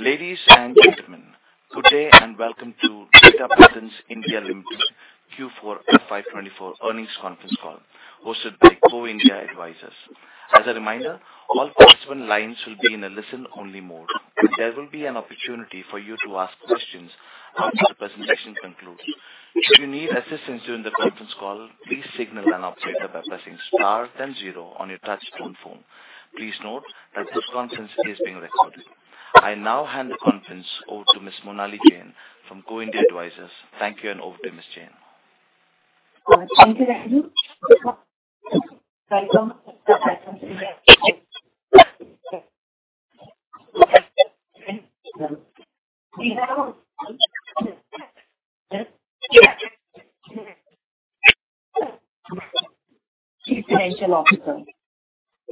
Ladies and gentlemen, good day and welcome to Data Patterns India Limited Q4 FY24 earnings conference call, hosted by Go India Advisors. As a reminder, all participant lines will be in a listen-only mode, and there will be an opportunity for you to ask questions after the presentation concludes. If you need assistance during the conference call, please signal an operator by pressing star then zero on your touch-tone phone. Please note that this conference is being recorded. I now hand the conference over to Ms. Monali Jain from Go India Advisors. Thank you and over to Ms. Jain.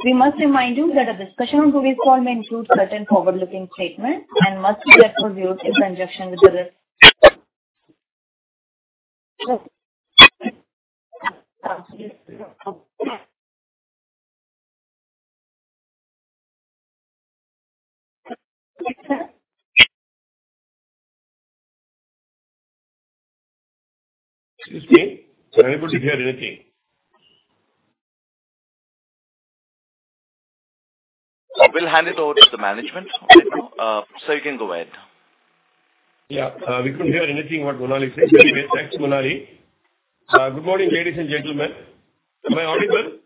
We must remind you that a discussion on Go India's call may include certain forward-looking statements and must be kept in view in conjunction with the risk. Excuse me. Can anybody hear anything? We'll hand it over to the management, so you can go ahead. Yeah. We couldn't hear anything what Monali said. Thanks, Monali. Good morning, ladies and gentlemen. Am I audible?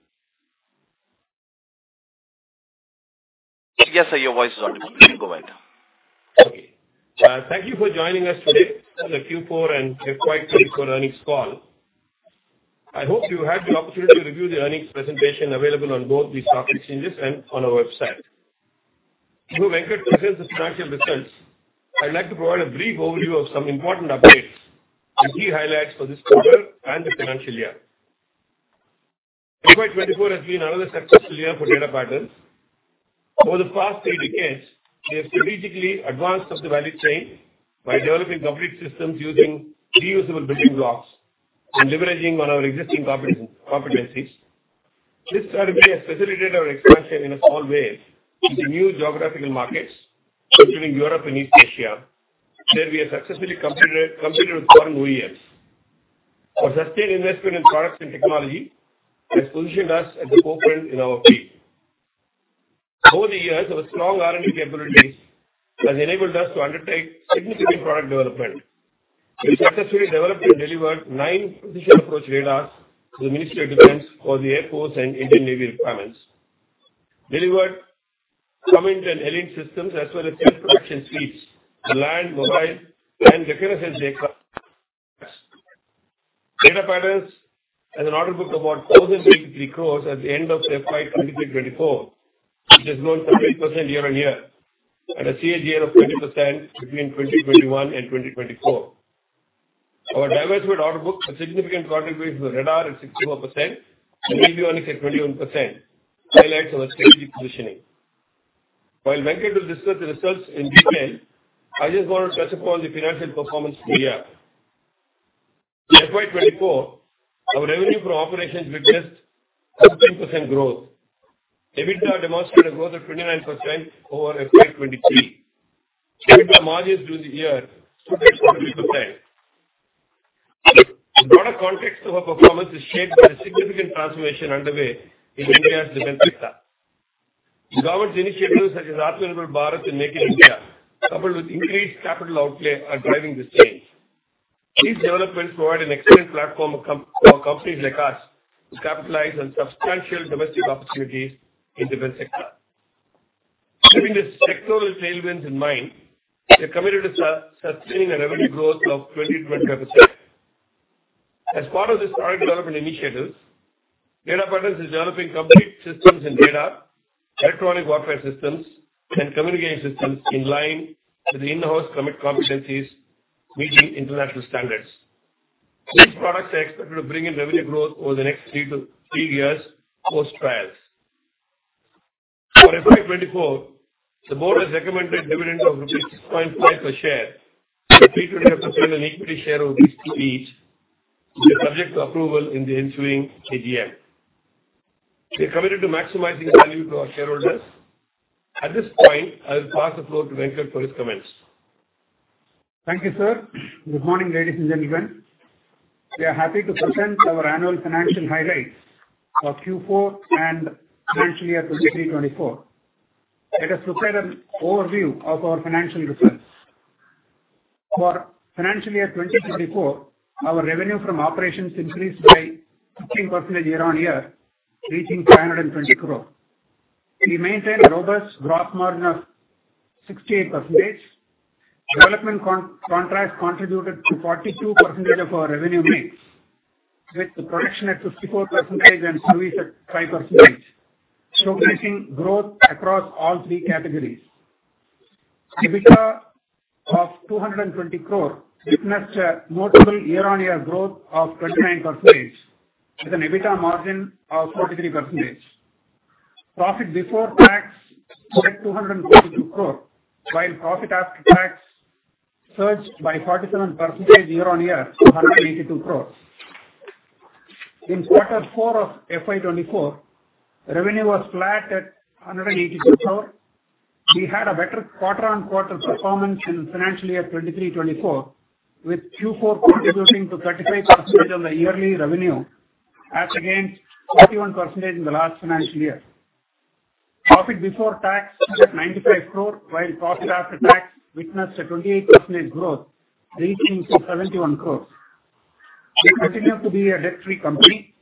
Yes, sir. Your voice is audible. You can go ahead. Okay. Thank you for joining us today for the Q4 and FY24 earnings call. I hope you had the opportunity to review the earnings presentation available on both the stock exchanges and on our website. To present the financial results, I'd like to provide a brief overview of some important updates and key highlights for this quarter and the financial year. FY24 has been another successful year for Data Patterns. Over the past three decades, we have strategically advanced the value chain by developing complex systems using reusable building blocks and leveraging our existing competencies. This strategy has facilitated our expansion in a small way into new geographical markets, including Europe and East Asia, where we have successfully competed with foreign OEMs. Our sustained investment in products and technology has positioned us at the forefront in our field. Over the years, our strong R&D capabilities have enabled us to undertake significant product development. We successfully developed and delivered nine precision approach radars to the Ministry of Defence for the Air Force and Indian Navy requirements. Delivered command and alignment systems as well as self-protection suites for land, mobile, and reconnaissance vehicles. Data Patterns has an order book of about 1,083 crores at the end of FY 2023/24, which has grown 13% year-on-year at a CAGR of 20% between 2021 and 2024. Our diversified order book has significant contributions to radar at 64% and avionics at 21%. Highlights our strategic positioning. While Venkat will discuss the results in detail, I just want to touch upon the financial performance for the year. In FY 2024, our revenue from operations witnessed 17% growth. EBITDA demonstrated a growth of 29% over FY 2023. EBITDA margins during the year stood at 43%. The broader context of our performance is shaped by the significant transformation underway in India's defense sector. Government initiatives such as Atmanirbhar Bharat and Make in India, coupled with increased capital outlay, are driving this change. These developments provide an excellent platform for companies like us to capitalize on substantial domestic opportunities in the defense sector. Having this sectoral tailwind in mind, we are committed to sustaining a revenue growth of 20%-25%. As part of this product development initiative, Data Patterns is developing complete systems in radar, electronic warfare systems, and communication systems in line with the in-house committed competencies meeting international standards. These products are expected to bring in revenue growth over the next three years post-trials. For FY24, the board has recommended a dividend of rupees 6.5 per share and a INR 320 equity share of 1 each, which is subject to approval in the ensuing AGM. We are committed to maximizing value to our shareholders. At this point, I will pass the floor to Venkat for his comments. Thank you, sir. Good morning, ladies and gentlemen. We are happy to present our annual financial highlights for Q4 and financial year 2023/24. Let us look at an overview of our financial results. For financial year 2024, our revenue from operations increased by 15% year-on-year, reaching 520 crore. We maintained a robust gross margin of 68%. Development contracts contributed to 42% of our revenue mix, with the production at 54% and service at 5%, showcasing growth across all three categories. EBITDA of 220 crore witnessed a notable year-on-year growth of 29%, with an EBITDA margin of 43%. Profit before tax was 242 crore, while profit after tax surged by 47% year-on-year to 182 crore. In quarter four of FY 2024, revenue was flat at 182 crore. We had a better quarter-on-quarter performance in financial year 23/24, with Q4 contributing to 35% on the yearly revenue, up against 41% in the last financial year. Profit before tax was 95 crore, while profit after tax witnessed a 28% growth, reaching 71 crore. We continue to be a debt-free company.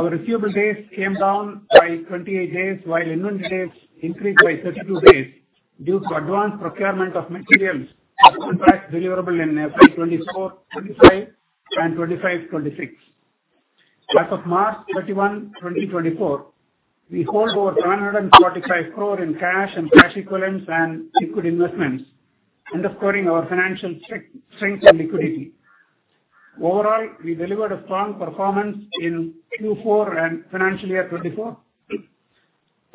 Our receivable days came down by 28 days, while inventory days increased by 32 days due to advanced procurement of materials and contracts deliverable in FY24, FY25, and FY26. As of March 31, 2024, we hold over 745 crore in cash and cash equivalents and liquid investments, underscoring our financial strength and liquidity. Overall, we delivered a strong performance in Q4 and financial year 24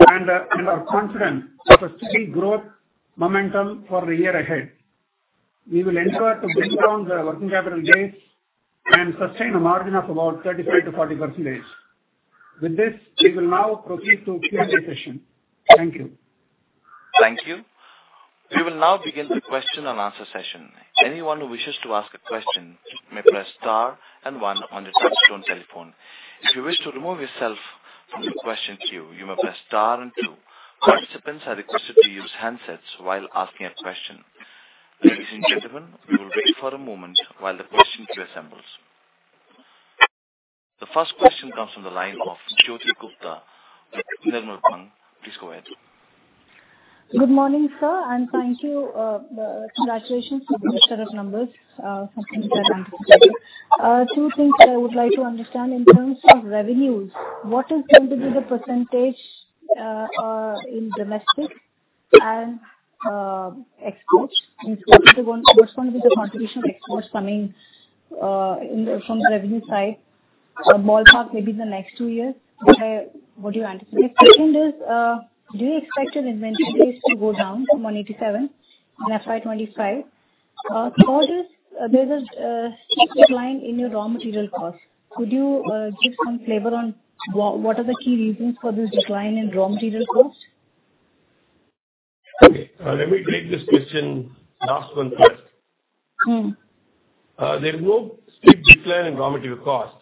and are confident of a steady growth momentum for the year ahead. We will endeavor to bring down the working capital base and sustain a margin of about 35%-40%. With this, we will now proceed to Q&A session. Thank you. Thank you. We will now begin the question and answer session. Anyone who wishes to ask a question may press star and one on the touch-tone telephone. If you wish to remove yourself from the question queue, you may press star and two. Participants are requested to use handsets while asking a question. Ladies and gentlemen, we will wait for a moment while the question queue assembles. The first question comes from the line of Jyoti Gupta with Nirmal Bang. Please go ahead. Good morning, sir. And thank you. Congratulations for the set of numbers, something that I anticipated. Two things I would like to understand. In terms of revenues, what is going to be the percentage in domestic and exports? What's going to be the contribution of exports coming from the revenue side? Ballpark maybe in the next two years. What do you anticipate? Second is, do you expect your inventory base to go down from 187 in FY25? Third is, there's a decline in your raw material costs. Could you give some flavor on what are the key reasons for this decline in raw material costs? Okay. Let me take this question, last one first. There's no steep decline in raw material costs.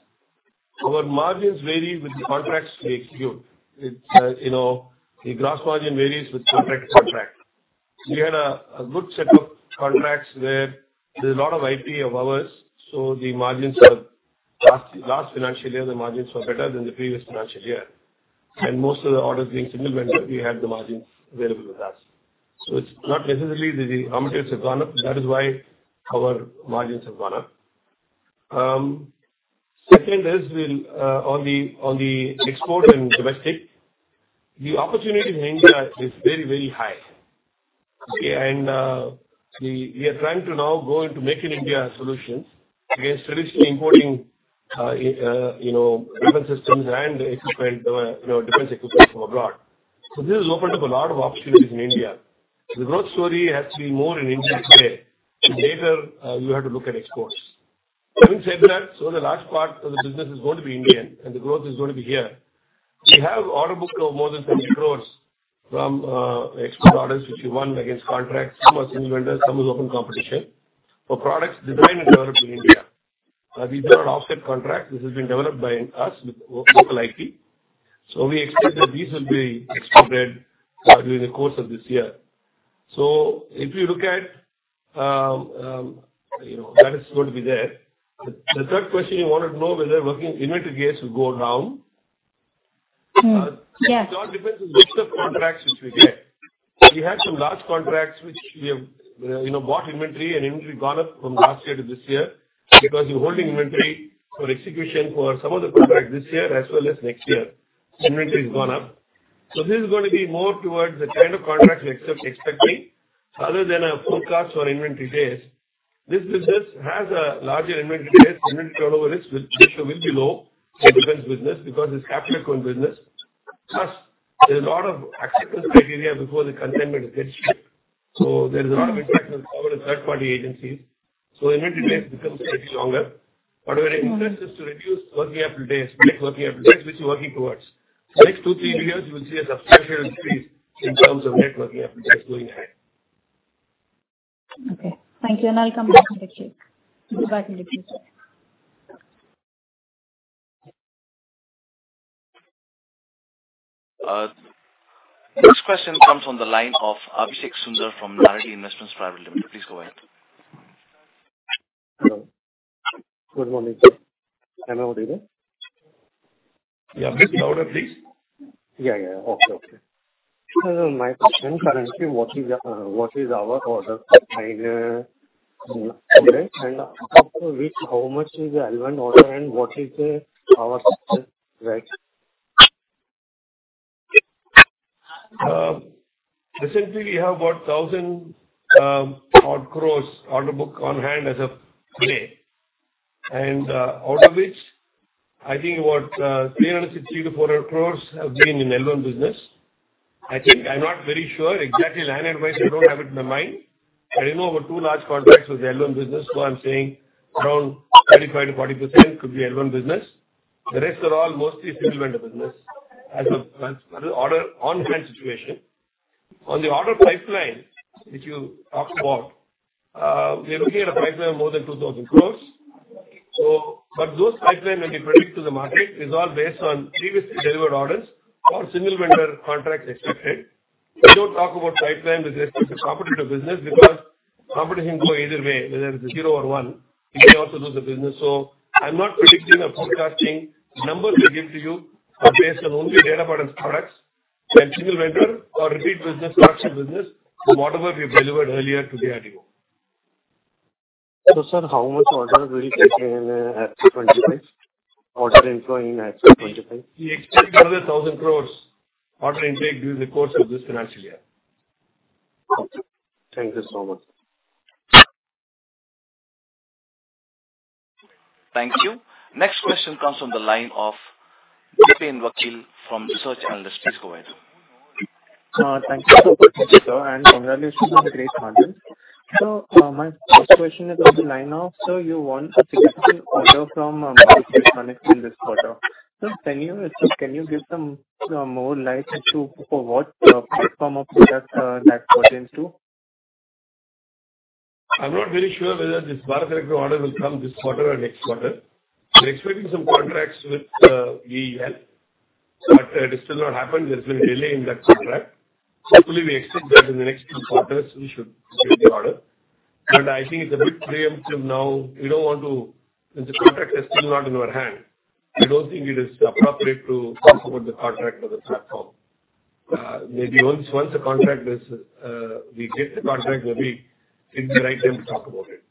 Our margins vary with the contracts we execute. The gross margin varies with contract to contract. We had a good set of contracts where there's a lot of IP of ours, so the margins for the last financial year, the margins were better than the previous financial year. And most of the orders being single vendor, we had the margins available with us. So it's not necessarily that the raw materials have gone up. That is why our margins have gone up. Second is, on the export and domestic, the opportunity in India is very, very high. And we are trying to now go into Make in India solutions against traditionally importing defense systems and defense equipment from abroad. So this has opened up a lot of opportunities in India. The growth story has to be more in India today. Later, you have to look at exports. Having said that, so the large part of the business is going to be Indian, and the growth is going to be here. We have an order book of more than 70 crores from export orders, which we won against contracts. Some are single vendors, some are open competition for products designed and developed in India. These are offset contracts. This has been developed by us with local IP. So we expect that these will be exported during the course of this year. So if you look at that, it's going to be there. The third question, you wanted to know whether working inventory days will go down. Yes. It all depends on the set of contracts which we get. We had some large contracts which we have bought inventory, and inventory has gone up from last year to this year because we're holding inventory for execution for some of the contracts this year as well as next year. Inventory has gone up. So this is going to be more towards the kind of contracts we're expecting. Other than a full cost for inventory days, this business has a larger inventory days. Inventory turnover risk will be low for defense business because it's capital-acquiring business. Plus, there's a lot of acceptance criteria before the consent letter gets shipped. So there's a lot of impact on the government and third-party agencies. So inventory days become slightly longer. What we're interested in is to reduce working capital days, net working capital days, which we're working towards. The next two, three years, you will see a substantial increase in terms of net working capital days going ahead. Okay. Thank you and I'll come back to the Q. This question comes from the line of Abhishek Sundar from Naredi Investments Private Limited. Please go ahead. Hello. Good morning, sir. Can I have your name? Yeah. Please louder, please. My question currently: what is our order book today? And how much is the advance order, and what is our success rate? Recently, we have about 1,000 crores order book on hand as of today. And out of which, I think about 360-400 crores have been in L1 business. I think I'm not very sure. Exactly line item-wise, I don't have it in my mind. I know of two large contracts with the L1 business, so I'm saying around 35%-40% could be L1 business. The rest are all mostly single vendor business as of the order on-hand situation. On the order pipeline that you talked about, we are looking at a pipeline of more than 2,000 crores. But those pipelines when we predict to the market is all based on previously delivered orders or single vendor contracts expected. We don't talk about pipeline with respect to competitor business because competition can go either way, whether it's a zero or one. You may also lose the business. So I'm not predicting or forecasting numbers we give to you based on only Data Patterns products and single vendor or repeat business, fractional business, whatever we've delivered earlier to the DRDO. So sir, how much orders will you take in FY25? Order income in FY25? We expect another 1,000 crores order intake during the course of this financial year. Okay. Thank you so much. Thank you. Next question comes from the line of Dipen Vakil from InCred Equities. Please go ahead. Thank you so much, sir. And congratulations on the great margins. So my first question is on the line of, sir, you want a significant order from Make in India in this quarter. So can you give some more light into what form of product that falls into? I'm not very sure whether this Bharat Electronics order will come this quarter or next quarter. We're expecting some contracts with BEL, but it has still not happened. There's been a delay in that contract. Hopefully, we expect that in the next two quarters, we should get the order. But I think it's a bit preemptive now. We don't want to, since the contract is still not in our hand, we don't think it is appropriate to talk about the contract or the platform. Maybe once the contract is, we get the contract, maybe it's the right time to talk about it.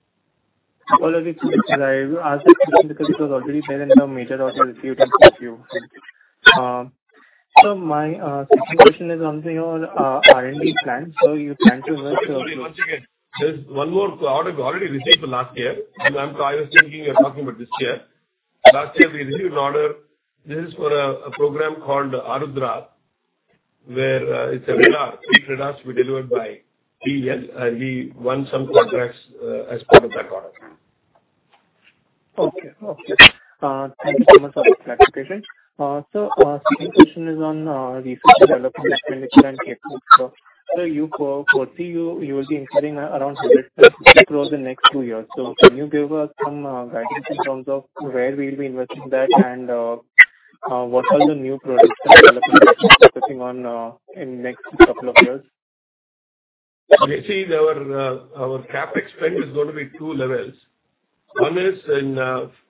That is good. I will ask the question because it was already made into a major order a few times this year. My second question is on your R&D plan. You plan to invest? Once again, there's one more order we already received last year. I was thinking you're talking about this year. Last year, we received an order. This is for a program called Arudra, where it's a radar. These radars were delivered by BEL, and we won some contracts as part of that order. Okay, okay. Thank you so much for this clarification. So the second question is on research and development and chemical and capability. So you foresee you will be including around 150 crores in the next two years. So can you give us some guidance in terms of where will we invest in that and what are the new projects and developments you're focusing on in the next couple of years? Basically, our CapEx is going to be two levels. One is in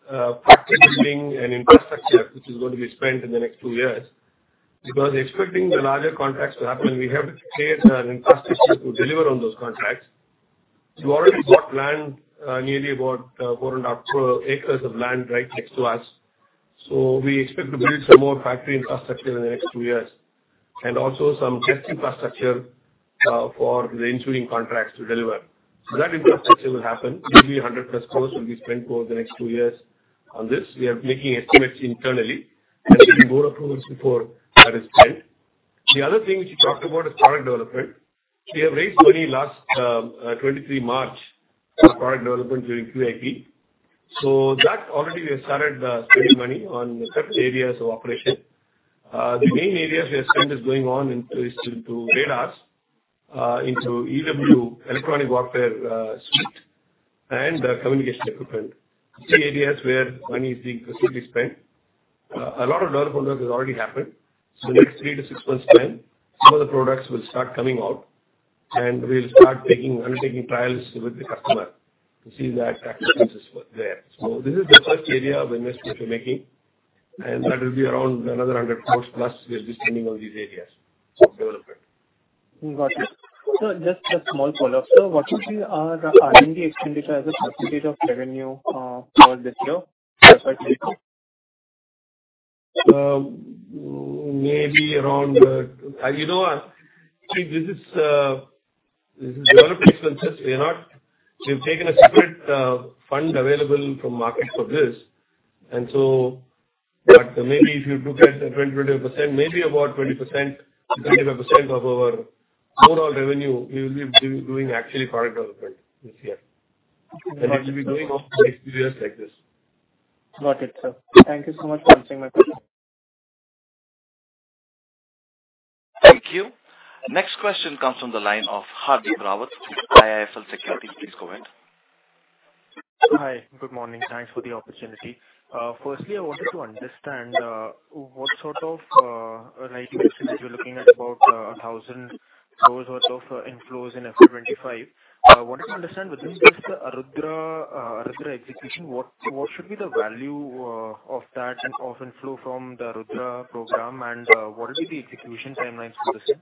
factory building and infrastructure, which is going to be spent in the next two years. Because expecting the larger contracts to happen, we have to create an infrastructure to deliver on those contracts. We've already got land, nearly about four and a half acres of land right next to us. So we expect to build some more factory infrastructure in the next two years and also some test infrastructure for the ensuing contracts to deliver. So that infrastructure will happen. Maybe 100+ crore will be spent over the next two years on this. We are making estimates internally. There should be more approvals before that is spent. The other thing which you talked about is product development. We have raised money last 23 March for product development during QIP. So, that already we have started spending money on certain areas of operation. The main areas we have spent is going on into radars, into EW, electronic warfare suite, and communication equipment. These areas where money is being consistently spent. A lot of development work has already happened. So in the next three to six months' time, some of the products will start coming out, and we'll start undertaking trials with the customer to see that acceptance is there. So this is the first area of investment we're making, and that will be around another 100 crore plus we'll be spending on these areas of development. Got it. So just a small follow-up. So what would be our R&D expenditure as a percentage of revenue for this year? Maybe around, you know, see, this is development expenses. We've taken a separate fund available from market for this. And so, but maybe if you look at 20%-25%, maybe about 20%-25% of our overall revenue, we will be doing actually product development this year. And we'll be doing all the next two years like this. Got it, sir. Thank you so much for answering my question. Thank you. Next question comes from the line of Hardeep Rawat with IIFL Securities. Please go ahead. Hi. Good morning. Thanks for the opportunity. Firstly, I wanted to understand what sort of R&D expenditure you're looking at, about 1,000 crores worth of inflows in FY25. I wanted to understand within just the Arudra execution, what should be the value of that of inflow from the Arudra program, and what would be the execution timelines for this?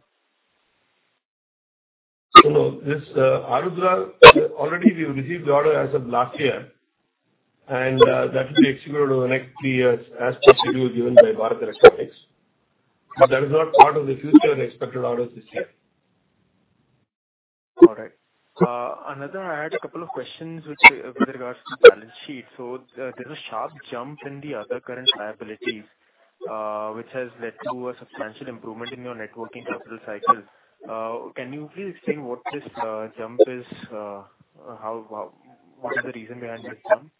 This Arudra, already we received the order as of last year, and that will be executed over the next three years as per schedule given by Bharat Electronics. That is not part of the future expected orders this year. All right. Another, I had a couple of questions with regards to the balance sheet. So there's a sharp jump in the other current liabilities, which has led to a substantial improvement in your net working capital cycle. Can you please explain what this jump is? What is the reason behind this jump?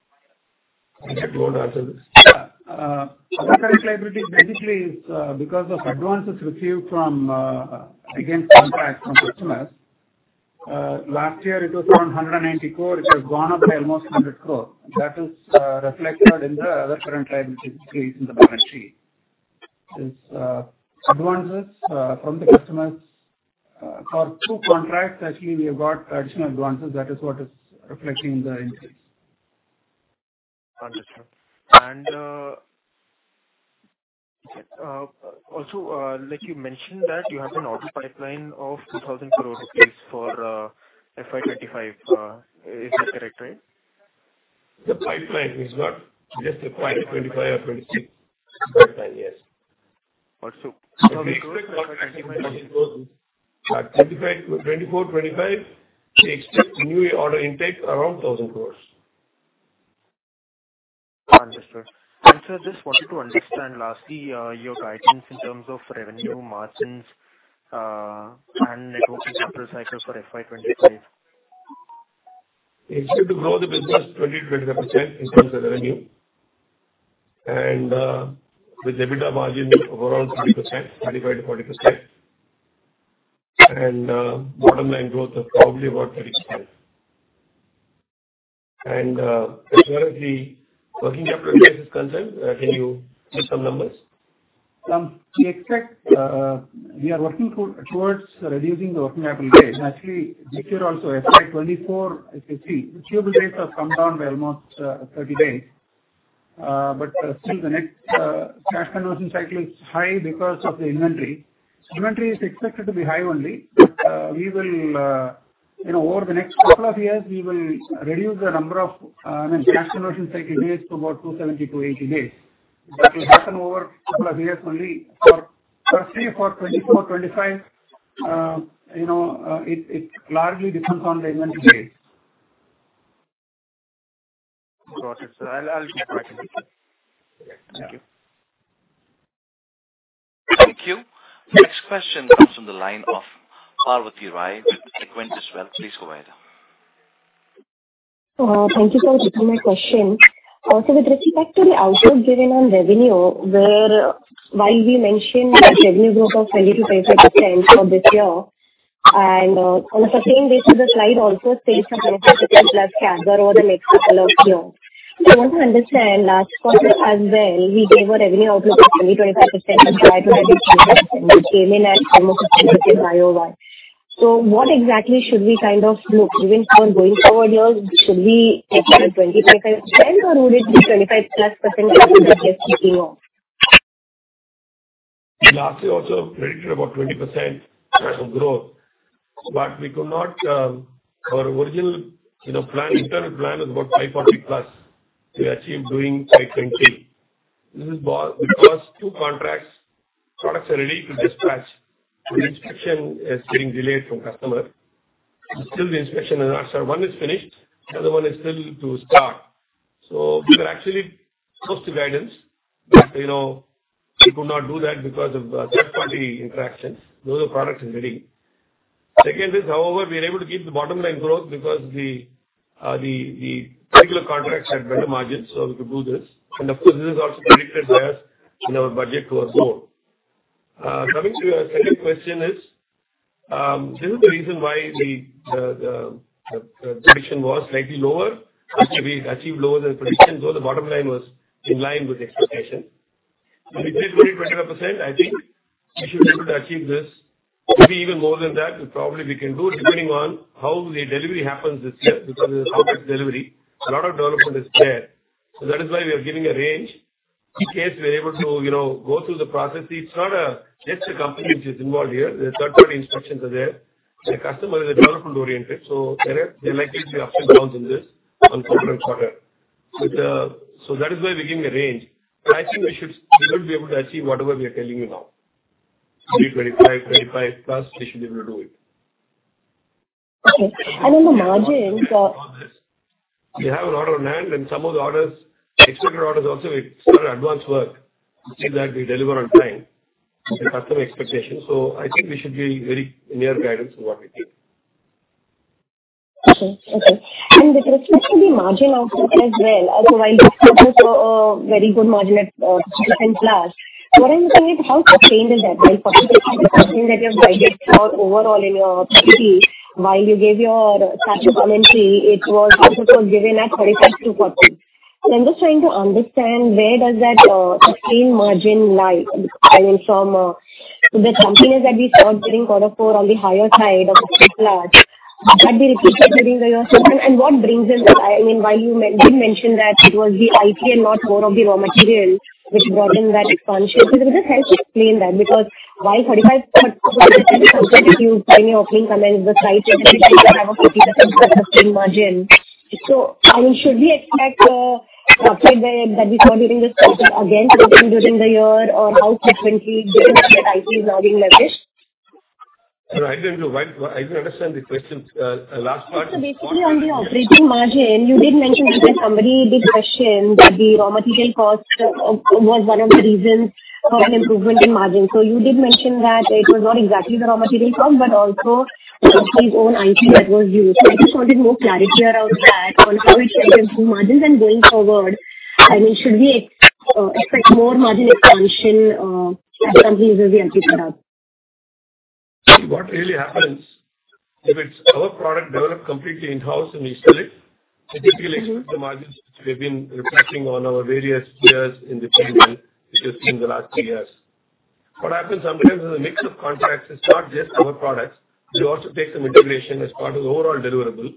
I can't answer this. Yeah. Other liability basically is because of advances received against contracts from customers. Last year, it was around 190 crores. It has gone up by almost 100 crores. That is reflected in the other current liability increase in the balance sheet. It's advances from the customers. For two contracts, actually, we have got additional advances. That is what is reflecting in the increase. Understood. And also, like you mentioned that you have an order pipeline of 2,000 crores rupees for FY25. Is that correct, right? The pipeline is not just FY25 or 26. Pipeline, yes. We expect 24, 25, we expect new order intake around 1,000 crores. Understood. And sir, just wanted to understand lastly, your guidance in terms of revenue margins and net working capital cycle for FY25? It's going to grow the business 20%-25% in terms of revenue and with EBITDA margin of around 20%, 25%-40%. And bottom line growth of probably about 35%. And as far as the working capital days is concerned, can you give some numbers? We expect we are working towards reducing the working capital days. Actually, this year also, FY24, if you see, the achievable days have come down by almost 30 days. But still, the next cash conversion cycle is high because of the inventory. Inventory is expected to be high only. But we will, over the next couple of years, we will reduce the number of, I mean, cash conversion cycle days to about 270 to 80 days. That will happen over a couple of years only. But actually, for 24, 25, it largely depends on the inventory days. Got it, sir. I'll keep tracking. Thank you. Thank you. Next question comes from the line of Anvith Rai with Equentis Wealth. Please go ahead. Thank you for taking my question. Also, with respect to the outlook given on revenue, while we mentioned that revenue growth of 20%-25% for this year, and on the same basis, the slide also states a 25% plus CAGR over the next couple of years. I want to understand, last quarter as well, we gave a revenue outlook of 20%-25% from July to February, which came in at almost a 10% YoY. So what exactly should we kind of look even for going forward years? Should we take 20%-25%, or would it be 25% plus CAGR we're speaking of? Last year, we also predicted about 20% growth, but we could not. Our original plan, internal plan was about 540 plus to achieve during FY20. This is because two contracts, products are ready to dispatch. The inspection is getting delayed from customer. Still, the inspection is not, sir. One is finished. The other one is still to start, so we were actually close to guidance, but we could not do that because of third-party interactions. Those are products in reading. Second is, however, we are able to keep the bottom line growth because the particular contracts had better margins, so we could do this, and of course, this is also predicted by us in our budget towards growth. Coming to your second question is, this is the reason why the prediction was slightly lower. Actually, we achieved lower than prediction, though the bottom line was in line with expectations. If we did 20%-25%, I think we should be able to achieve this. Maybe even more than that, probably we can do it depending on how the delivery happens this year because of the complex delivery. A lot of development is there. So that is why we are giving a range. In case we are able to go through the process, it's not just the company which is involved here. The third-party inspections are there. The customer is development-oriented, so there are likely to be ups and downs in this on quarter on quarter. So that is why we're giving a range. But I think we should be able to achieve whatever we are telling you now. 20%-25%, 25% plus, we should be able to do it. Okay. And on the margins? We have a lot of land, and some of the orders, extra orders also, we started advance work to see that we deliver on time with the customer expectations. So I think we should be very near guidance on what we think. Okay, okay. And with respect to the margin outlook as well, so while this was a very good margin at 50% plus, what I'm looking at, how sustained is that? While 40% is something that you have guided for overall in your PPP, while you gave your CAGR commentary, it was also given at 35%-40%. So I'm just trying to understand where does that sustained margin lie? I mean, from the companies that we saw during quarter four on the higher side of the plot, that we repeated during the year seven, and what brings in that? I mean, while you did mention that it was the IP and not more of the raw material, which brought in that expansion, could you just help explain that? Because while 45% is something that you've given your opening comments, the slide said that you should have a 40% sustained margin. So I mean, should we expect the upside that we saw during this quarter again to come during the year, or how frequently do you think that IP is now being leveraged? Sorry, I didn't understand the question. Last part? So basically, on the operating margin, you did mention that somebody did question that the raw material cost was one of the reasons for an improvement in margin. So you did mention that it was not exactly the raw material cost, but also the company's own IP that was used. So I just wanted more clarity around that, on how it can improve margins and going forward. I mean, should we expect more margin expansion as companies as we are picking up? What really happens if it's our product developed completely in-house and we sell it? I typically expect the margins which we have been reflecting on our various years in the P&L, which has been the last two years. What happens sometimes is a mix of contracts. It's not just our products. We also take some integration as part of the overall deliverable,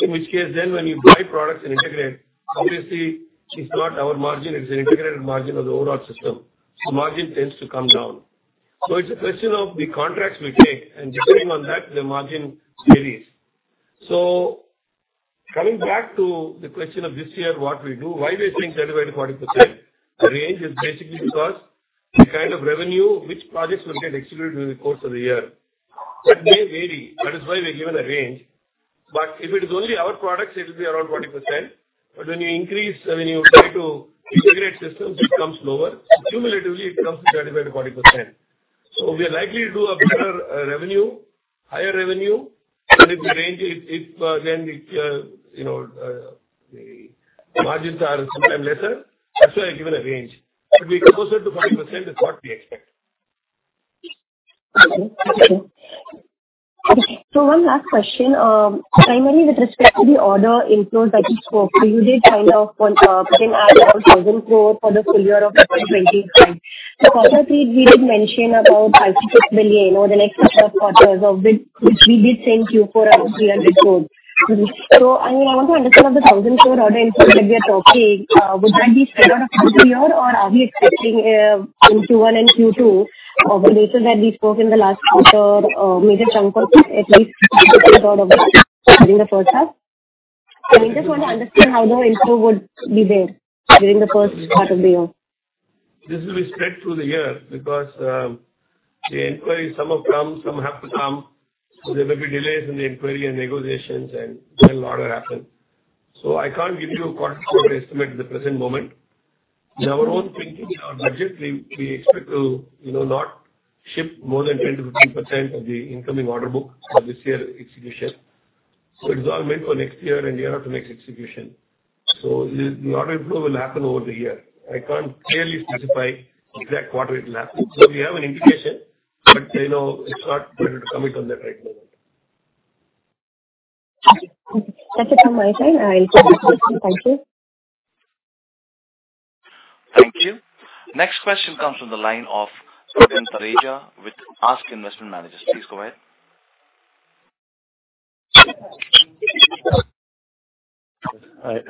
in which case then when you buy products and integrate, obviously, it's not our margin. It's an integrated margin of the overall system. The margin tends to come down. So it's a question of the contracts we take, and depending on that, the margin varies. So coming back to the question of this year, what we do, why we are saying 35%-40%? The range is basically because the kind of revenue, which projects will get executed in the course of the year. That may vary. That is why we're given a range. But if it is only our products, it will be around 40%. But when you increase, when you try to integrate systems, it comes lower. So cumulatively, it comes to 35%-40%. So we are likely to do a better revenue, higher revenue, and if the range, then the margins are sometimes lesser. That's why we're given a range. But we're closer to 40% is what we expect. Okay. Thank you. Okay. So one last question. Primarily with respect to the order inflows that you spoke to, you did kind of put in at about 1,000 crores for the full year of 2025. The quarter three, we did mention about 56 billion or the next couple of quarters, which we did send you for around 300 crores. So I mean, I want to understand of the 1,000 crore order inflows that we are talking, would that be spread out across the year, or are we expecting in Q1 and Q2 of the data that we spoke in the last quarter, a major chunk of at least a third of it during the first half? I mean, just want to understand how the inflow would be there during the first part of the year. This is with respect to the year because the inquiries, some have come, some have to come. There may be delays in the inquiry and negotiations, and then the order happens. So I can't give you a quarter-quarter estimate at the present moment. In our own thinking, in our budget, we expect to not ship more than 10%-15% of the incoming order book for this year's execution. So it's all meant for next year and year after next execution. So the order inflow will happen over the year. I can't clearly specify exactly what it will happen. So we have an indication, but it's not possible to comment on that right now. Okay. That's it from my side. I'll keep asking questions. Thank you. Thank you. Next question comes from the line of Arvind Parija with ASK Investment Managers Please go ahead.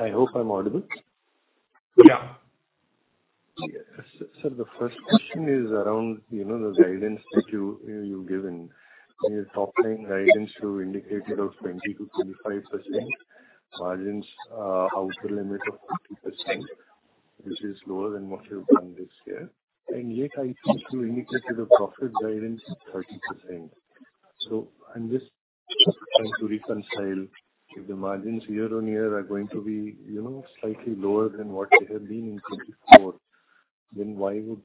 I hope I'm audible. Yeah. Yes. So the first question is around the guidance that you've given. You're talking guidance to indicate about 20%-25% margins, outer limit of 40%, which is lower than what you've done this year. And yet, I think you indicated a profit guidance of 30%. So I'm just trying to reconcile. If the margins year on year are going to be slightly lower than what they have been in 2024, then why would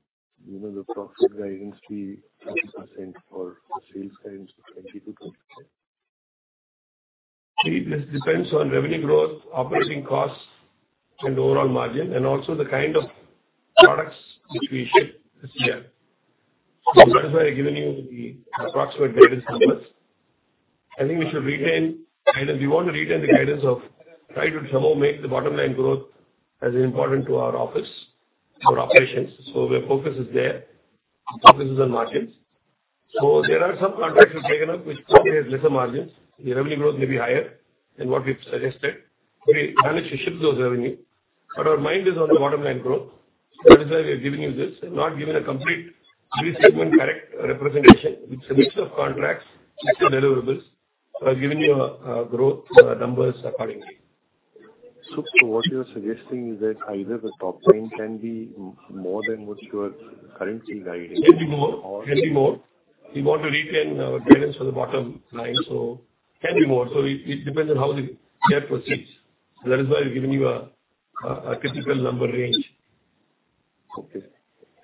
the profit guidance be 30% or the sales guidance be 20%-25%? It depends on revenue growth, operating costs, and overall margin, and also the kind of products which we ship this year. So that is why I've given you the approximate guidance numbers. I think we should retain guidance. We want to retain the guidance of trying to somehow make the bottom line growth as important to our office for operations. So the focus is there. The focus is on margins. So there are some contracts we've taken up which have lesser margins. The revenue growth may be higher than what we've suggested. We managed to ship those revenues. But our mind is on the bottom line growth. That is why we've given you this and not given a complete three-segment correct representation, which is a mix of contracts, mix of deliverables. So I've given you growth numbers accordingly. So what you're suggesting is that either the top 10 can be more than what you are currently guiding? Can be more. We want to retain our guidance for the bottom line, so can be more, so it depends on how the year proceeds, so that is why we've given you a typical number range. Okay.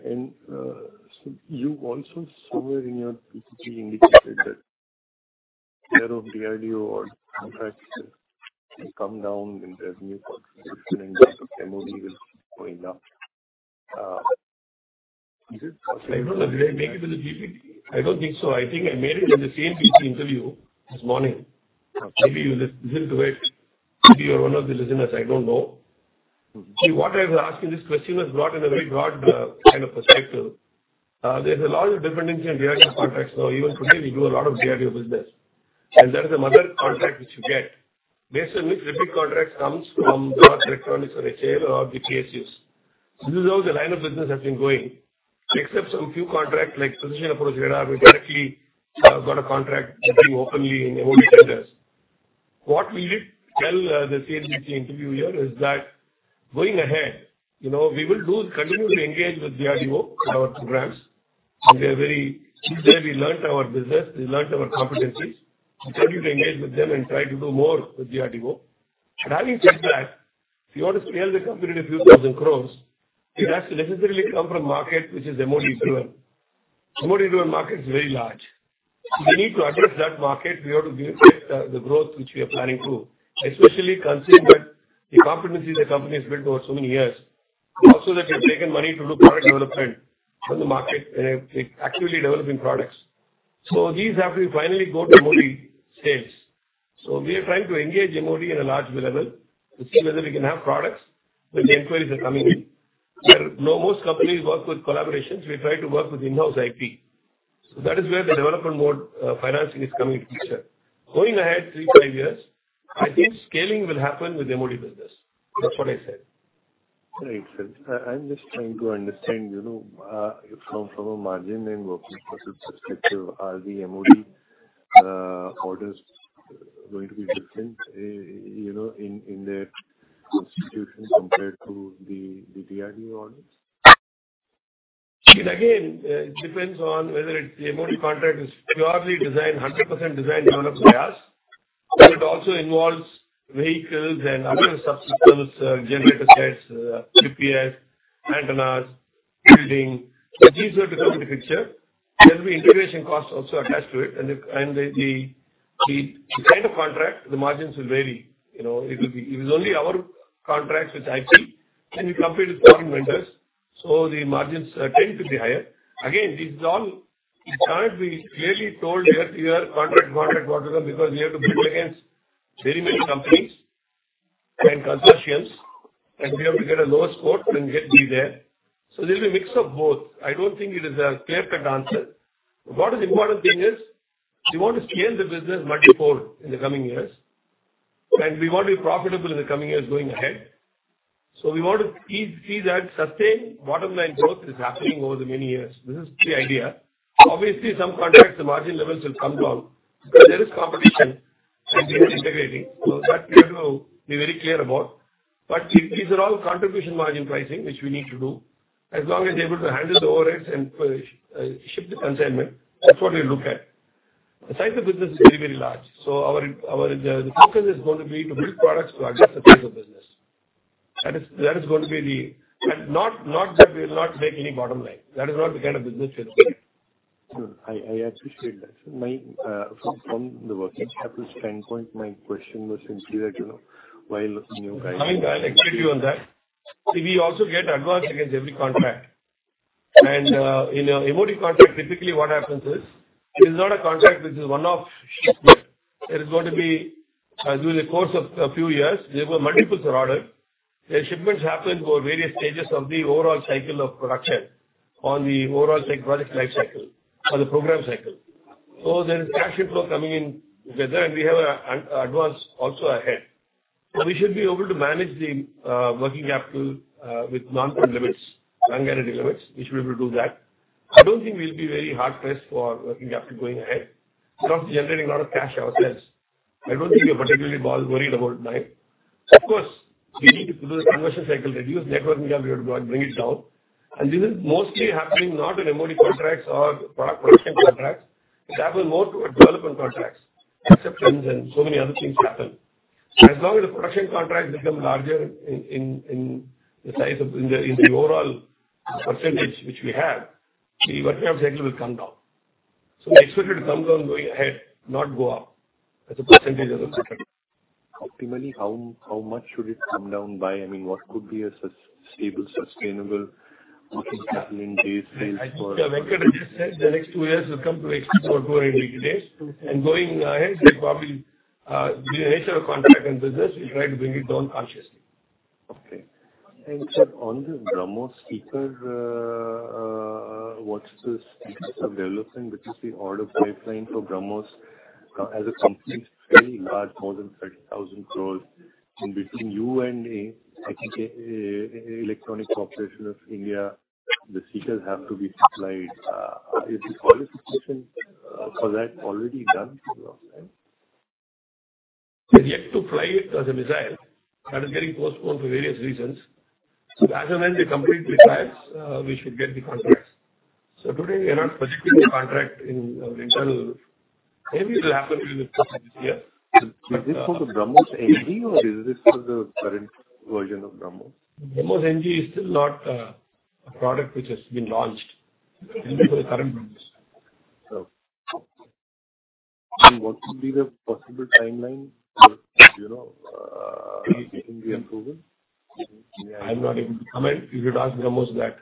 And so you also somewhere in your PPT indicated that share of the R&D contracts will come down in revenue contribution and MOD will going up. Is it possible? I don't know. Did I make it in the PPP? I don't think so. I think I made it in the same PPP interview this morning. Maybe you listened to it. Maybe you're one of the listeners. I don't know. See, what I was asking, this question was brought in a very broad kind of perspective. There's a lot of different things in DRDO contracts now. Even today, we do a lot of DRDO business. And there is another contract which you get, based on which repeat contract comes from DRDO, BEL, or HAL, or the PSUs. This is how the line of business has been going. Except some few contracts like Precision Approach Radar, we've directly got a contract being openly in MOD tenders. What we did tell the CNBC interview here is that going ahead, we will continue to engage with DRDO in our programs. And they are very close these days. We learned our business. They learned our competencies. We continue to engage with them and try to do more with DRDO. But having said that, if you want to scale the company to a few thousand crores, it has to necessarily come from market which is MOD-driven. MOD-driven market is very large. So we need to address that market. We have to get the growth which we are planning to, especially considering that the competency the company has built over so many years. Also, that we have taken money to do product development from the market and actively developing products. So these have to finally go to MOD sales. So we are trying to engage MOD at a large level to see whether we can have products when the inquiries are coming in. Where most companies work with collaborations, we try to work with in-house IP. So that is where the development mode financing is coming into picture. Going ahead three, five years, I think scaling will happen with MOD business. That's what I said. All right, so I'm just trying to understand from a margin and working process perspective, are the MOD orders going to be different in their constitution compared to the DRDO orders? Again, it depends on whether the MOD contract is purely designed, 100% designed developed by us. But it also involves vehicles and other subsystems, generator sets, UPS, antennas, building. These are to come into the picture. There will be integration costs also attached to it. And the kind of contract, the margins will vary. If it is only our contract with IP, then we compare with foreign vendors. So the margins tend to be higher. Again, this is all we can't be clearly told year to year, contract, contract, contract, because we have to bid against very many companies and consortiums, and we have to get a lower score than get be there. So there'll be a mix of both. I don't think it is a clear-cut answer. But what is the important thing is we want to scale the business multi-fold in the coming years. We want to be profitable in the coming years going ahead. We want to see that sustained bottom line growth is happening over the many years. This is the idea. Obviously, some contracts, the margin levels will come down because there is competition, and we are integrating. That we have to be very clear about. These are all contribution margin pricing, which we need to do. As long as they're able to handle the overheads and ship the consignment, that's what we look at. The size of the business is very, very large. The focus is going to be to build products to address the size of business. That is going to be the not that we will not make any bottom line. That is not the kind of business we're looking at. I appreciate that. From the working capital standpoint, my question was simply that while new guidance. Coming guidance. I can give you on that. See, we also get advance against every contract. And in a MoD contract, typically what happens is it is not a contract which is one-off shipment. There is going to be, during the course of a few years, there were multiples of orders. The shipments happen for various stages of the overall cycle of production on the overall project life cycle or the program cycle. So there is cash inflow coming in together, and we have advance also ahead. So we should be able to manage the working capital with non-fund limits, non-guaranteed limits. We should be able to do that. I don't think we'll be very hard-pressed for working capital going ahead. We're also generating a lot of cash ourselves. I don't think we're particularly worried about it now. Of course, we need to do the cash conversion cycle, reduce net working capital, bring it down. This is mostly happening not in MoD contracts or product production contracts. It happens more to development contracts. Extensions and so many other things happen. As long as the production contracts become larger in the size of the overall percentage which we have, the working capital cycle will come down. We expect it to come down going ahead, not go up as a percentage of the contract. Optimally, how much should it come down by? I mean, what could be a stable, sustainable working capital in days sales for? I think Venkata just said the next two years will come to 80 or 200 days, and going ahead, we probably, given the nature of the contract and business, we try to bring it down consciously. Okay. On the BrahMos seeker, what's the status of development? What is the order pipeline for BrahMos as a company? It's very large, more than 30,000 crores. Between you and the Electronics Corporation of India, the seekers have to be supplied. Is the qualification for that already done? We have to fly it as a missile. That is getting postponed for various reasons. So as and when the company retires, we should get the contracts. So today, we are not projecting the contract in internal. Maybe it will happen during the process this year. Is this for the BrahMos NG, or is this for the current version of BrahMos? BrahMos-NG is still not a product which has been launched. It will be for the current BrahMos. Okay. And what would be the possible timeline for getting the approval? I'm not able to comment. You should ask BrahMos that.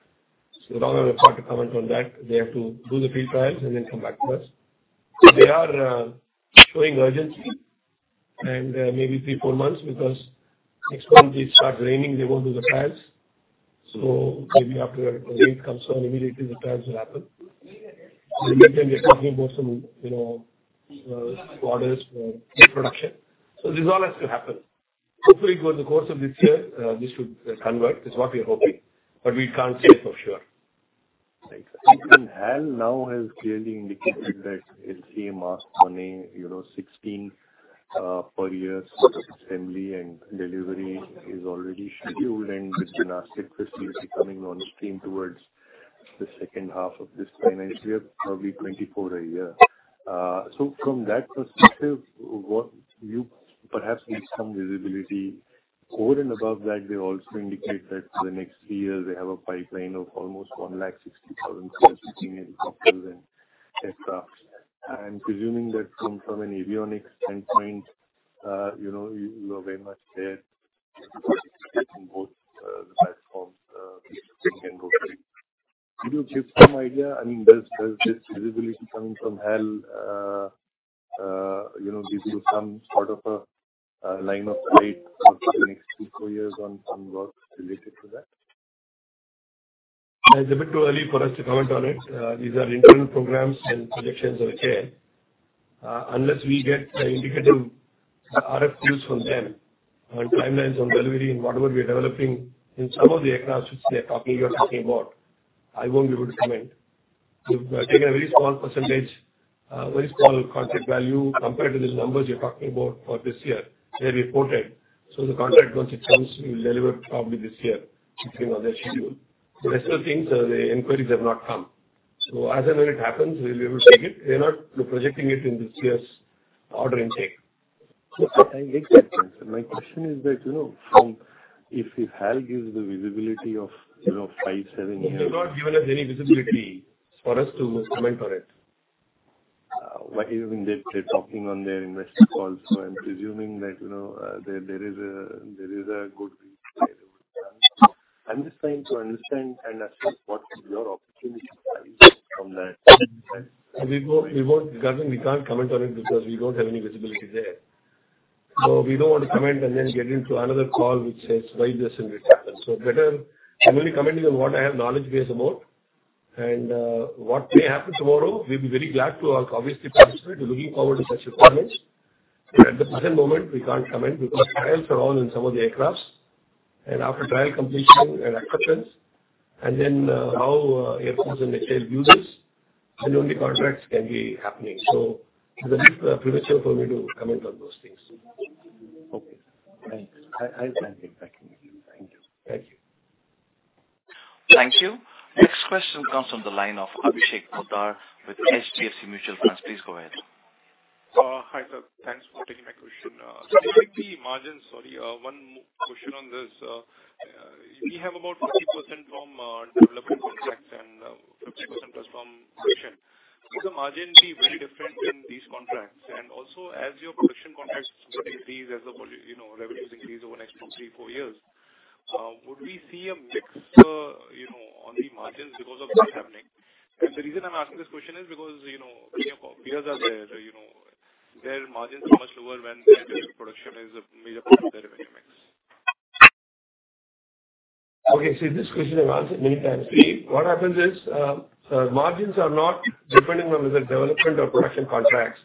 So long as I've got to comment on that, they have to do the pre-trials and then come back to us. But they are showing urgency and maybe three, four months because next month it starts raining. They won't do the trials. So maybe after the rain comes down immediately, the trials will happen. We're talking about some orders for production. So this all has to happen. Hopefully, over the course of this year, this should convert. That's what we are hoping. But we can't say for sure. Thank you. And HAL now has clearly indicated that LCA Tejas money, 16 per year assembly and delivery is already scheduled, and with the Nashik facility coming on stream towards the second half of this finance year, probably 24 a year. So from that perspective, perhaps with some visibility over and above that, they also indicate that for the next three years, they have a pipeline of almost 160,000 crores between helicopters and aircraft. I'm presuming that from an avionics standpoint, you are very much there in both the platforms and rotating. Can you give some idea? I mean, does this visibility coming from HAL give you some sort of a line of sight for the next three, four years on some work related to that? It's a bit too early for us to comment on it. These are internal programs and projections of HAL. Unless we get the indicative RFQs from them on timelines on delivery and whatever we are developing in some of the aircrafts which you are talking about, I won't be able to comment. We've taken a very small percentage, very small contract value compared to the numbers you're talking about for this year. They have reported. So the contract, once it comes, we will deliver probably this year depending on their schedule. The rest of the things, the inquiries have not come. So as and when it happens, we'll be able to take it. They're not projecting it in this year's order intake. So, I'll make that sense. And my question is that if HAL gives the visibility of 5-7 years. They have not given us any visibility for us to comment on it. I mean, they're talking on their investor calls. So I'm presuming that there is a good reason they would come. I'm just trying to understand and assess what your opportunity value is from that. We can't comment on it because we don't have any visibility there. So we don't want to comment and then get into another call which says why this and which happens. So I'm only commenting on what I have knowledge base about. And what may happen tomorrow, we'll be very glad to obviously participate. We're looking forward to such a comment. But at the present moment, we can't comment because trials are on in some of the aircrafts. And after trial completion and acceptance, and then how Air Force and HAL views this, then only contracts can be happening. So it's a bit premature for me to comment on those things. Okay. Thanks. I'll send him back to you. Thank you. Thank you. Thank you. Next question comes from the line of Abhishek Poddar with HDFC Mutual Fund. Please go ahead. Hi, sir. Thanks for taking my question. Specifically, margins. Sorry, one question on this. We have about 50% from development contracts and 50% plus from production. Would the margin be very different in these contracts? And also, as your production contracts increase, as the revenues increase over the next three, four years, would we see a mix on the margins because of this happening? And the reason I'm asking this question is because your peers are there. Their margins are much lower when their production is a major part of their revenue mix. Okay. See, this question I've answered many times. What happens is margins are not, depending on whether development or production contracts,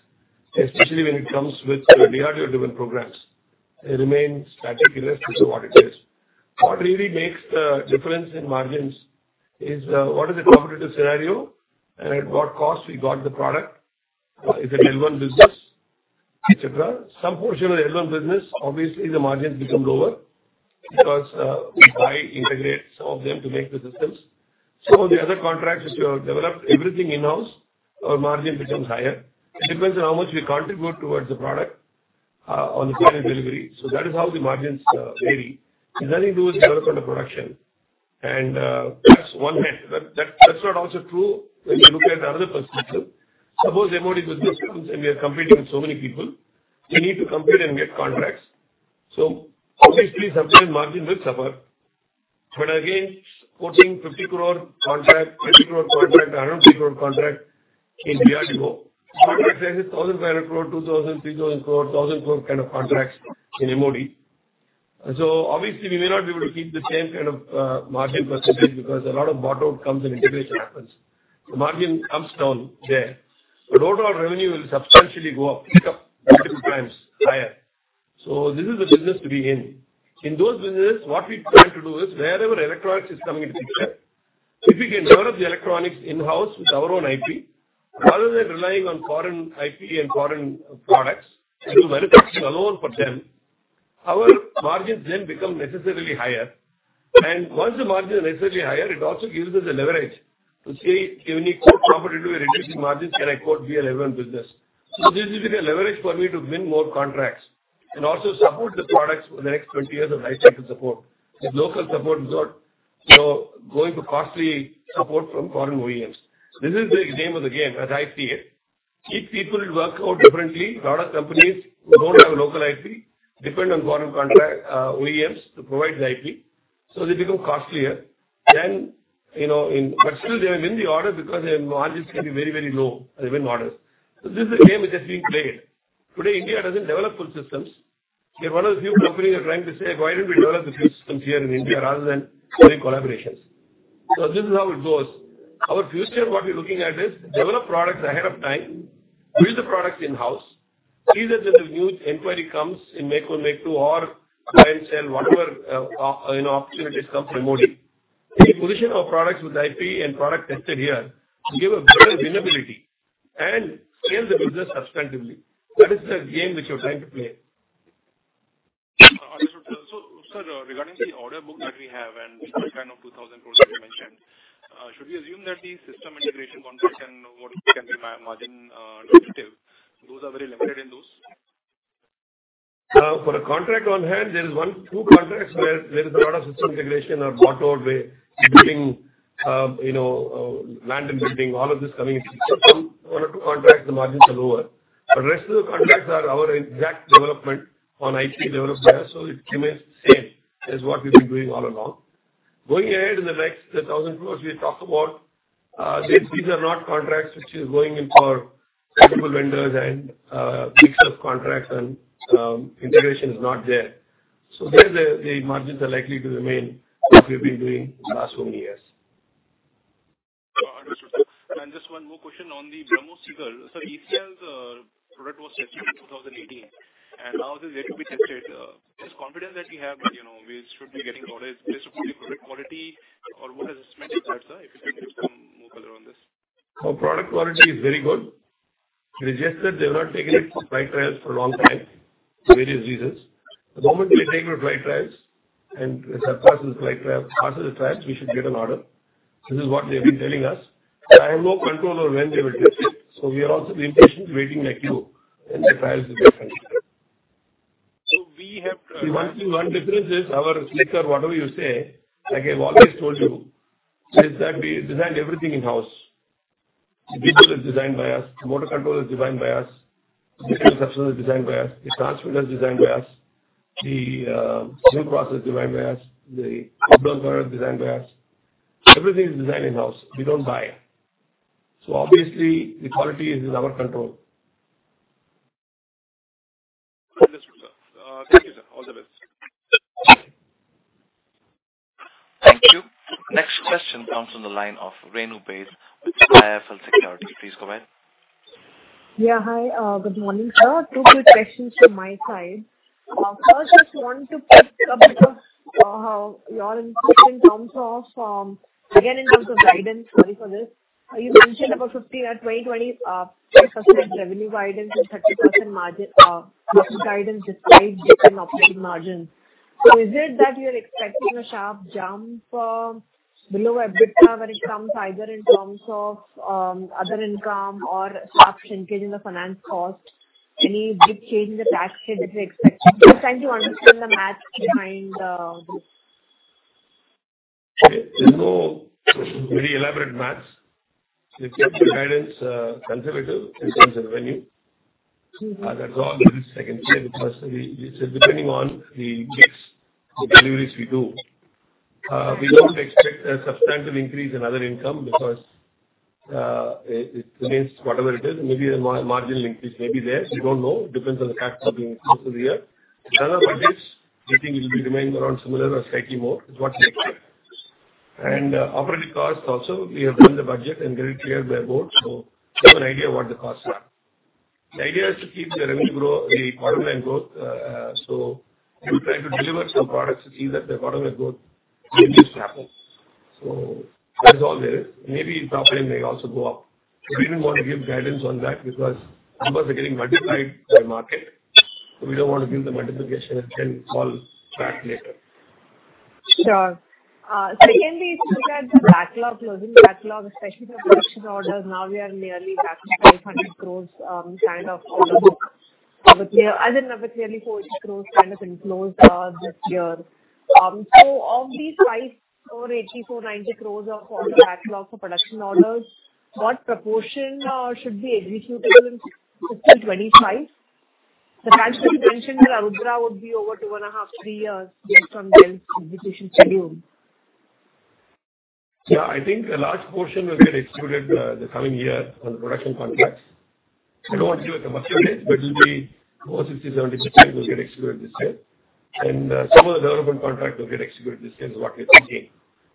especially when it comes with DRDO-driven programs, they remain static. It is what it is. What really makes the difference in margins is what is the competitive scenario and at what cost we got the product? Is it L1 business, etc.? Some portion of the L1 business, obviously, the margins become lower because we buy, integrate some of them to make the systems. Some of the other contracts which are developed, everything in-house, our margin becomes higher. It depends on how much we contribute towards the product on the final delivery. So that is how the margins vary. It has nothing to do with development or production. And that's one method. That's not also true when you look at another perspective. Suppose MOD business comes and we are competing with so many people. We need to compete and get contracts. So obviously, subsequent margin will suffer. But again, supporting 50 crore contract, 20 crore contract, 150 crore contract is where we go. Contracts like 1,500 crore, 2,000 crore, 3,000 crore, 1,000 crore kind of contracts in MOD. So obviously, we may not be able to keep the same kind of margin percentage because a lot of bottom comes and integration happens. The margin comes down there. But overall revenue will substantially go up, pick up multiple times higher. So this is the business to be in. In those businesses, what we try to do is wherever electronics is coming into picture, if we can develop the electronics in-house with our own IP, rather than relying on foreign IP and foreign products and do manufacturing alone for them, our margins then become necessarily higher. And once the margin is necessarily higher, it also gives us a leverage to say, if we need to compete with reducing margins, can I quote be an L1 business? So this is a leverage for me to win more contracts and also support the products for the next 20 years of lifecycle support with local support without going to costly support from foreign OEMs. This is the name of the game, as I see it. People work out differently. Product companies who don't have a local IP depend on foreign OEMs to provide the IP. So they become costlier. But still, they have been the order because their margins can be very, very low when orders. So this is the game which is being played. Today, India doesn't develop full systems. We are one of the few companies who are trying to say, "Why don't we develop the full systems here in India rather than doing collaborations?" So this is how it goes. Our future, what we're looking at is develop products ahead of time, build the products in-house, either when the new inquiry comes in Make-I, Make-II, or buy and sell, whatever opportunities come from MOD. We position our products with IP and product tested here to give a better winnability and scale the business substantively. That is the game which we're trying to play. So, sir, regarding the order book that we have and the kind of 2,000 crores that you mentioned, should we assume that the system integration contract and what can be margin relative? Those are very limited in those. For a contract on HAL, there are two contracts where there is a lot of system integration or bottom-up way building, land and building, all of this coming into picture. One or two contracts, the margins are lower. But the rest of the contracts are our exact development on IP developed there. So it remains the same as what we've been doing all along. Going ahead in the next 1,000 crores, we talk about these are not contracts which are going in for multiple vendors and mix of contracts and integration is not there. So there, the margins are likely to remain as we've been doing the last so many years. Sir, I understood and just one more question on the BrahMos seeker. Sir, ECL's product was tested in 2018, and now it is yet to be tested. This confidence that we have that we should be getting orders, is this due to product quality or what has management said so far, sir? If you can give some more color on this. Oh, product quality is very good. They just said they have not taken it for flight trials for a long time for various reasons. The moment we take it for flight trials and it passes the flight trials, we should get an order. This is what they have been telling us. I have no control over when they will test it. So we are also the impatient waiting like you when the trials will be finished. We have trial. See, one difference is our seeker, whatever you say, like I've always told you, is that we design everything in-house. The vehicle is designed by us. The motor control is designed by us. The material substances are designed by us. The transmitter is designed by us. The seal process is designed by us. The blowing power is designed by us. Everything is designed in-house. We don't buy. So obviously, the quality is in our control. Understood, sir. Thank you, sir. All the best. Thank you. Next question comes from the line of Renu Baid, IIFL Securities. Please go ahead. Yeah, hi. Good morning, sir. Two quick questions from my side. First, just want to pick up your input in terms of, again, in terms of guidance. Sorry for this. You mentioned about 2020, 50% revenue guidance and 30% margin guidance despite different operating margins. So is it that you're expecting a sharp jump below EBITDA when it comes either in terms of other income or sharp shrinkage in the finance cost? Any big change in the tax rate that you're expecting? Just trying to understand the math behind this. Okay. There's no very elaborate math. The guidance is conservative in terms of revenue. That's all I can say because depending on the deliveries we do, we don't expect a substantive increase in other income because it remains whatever it is. Maybe the marginal increase may be there. We don't know. It depends on the facts of the year. The other budgets, we think it will be remaining around similar or slightly more. It's what we expect, and operating costs also, we have done the budget and very clear by board. We have an idea of what the costs are. The idea is to keep the revenue growth, the bottom line growth. We'll try to deliver some products to see that the bottom line growth continues to happen. That's all there is. Maybe the profit may also go up. We didn't want to give guidance on that because numbers are getting multiplied by market. So we don't want to give the multiplication and then fall back later. Sure. Secondly, if you look at the backlog, closing backlog, especially for production orders, now we are nearly back to 500 crores kind of out of the book. As in another clearly 40 crores kind of enclosed this year. So of these 50 or 80, 490 crores of order backlog for production orders, what proportion should be executed in 2025? The transfer you mentioned, Arudra, would be over two and a half, three years based on BEL's execution schedule. Yeah. I think a large portion will get executed the coming year on the production contracts. I don't want to give a commencement date, but it will be over 60%-70% will get executed this year. And some of the development contract will get executed this year is what we're thinking.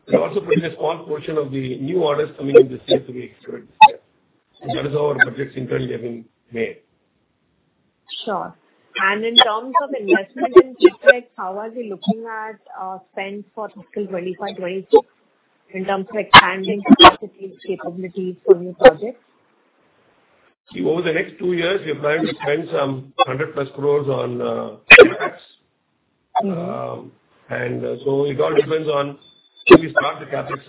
We're also putting a small portion of the new orders coming in this year to be executed this year. So that is how our budgets internally have been made. Sure. And in terms of investment and projects, how are you looking at spend for fiscal 2025, 2026 in terms of expanding capacity, capabilities for new projects? Over the next two years, we're planning to spend some 100+ crore on CapEx, and so it all depends on when we start the CapEx,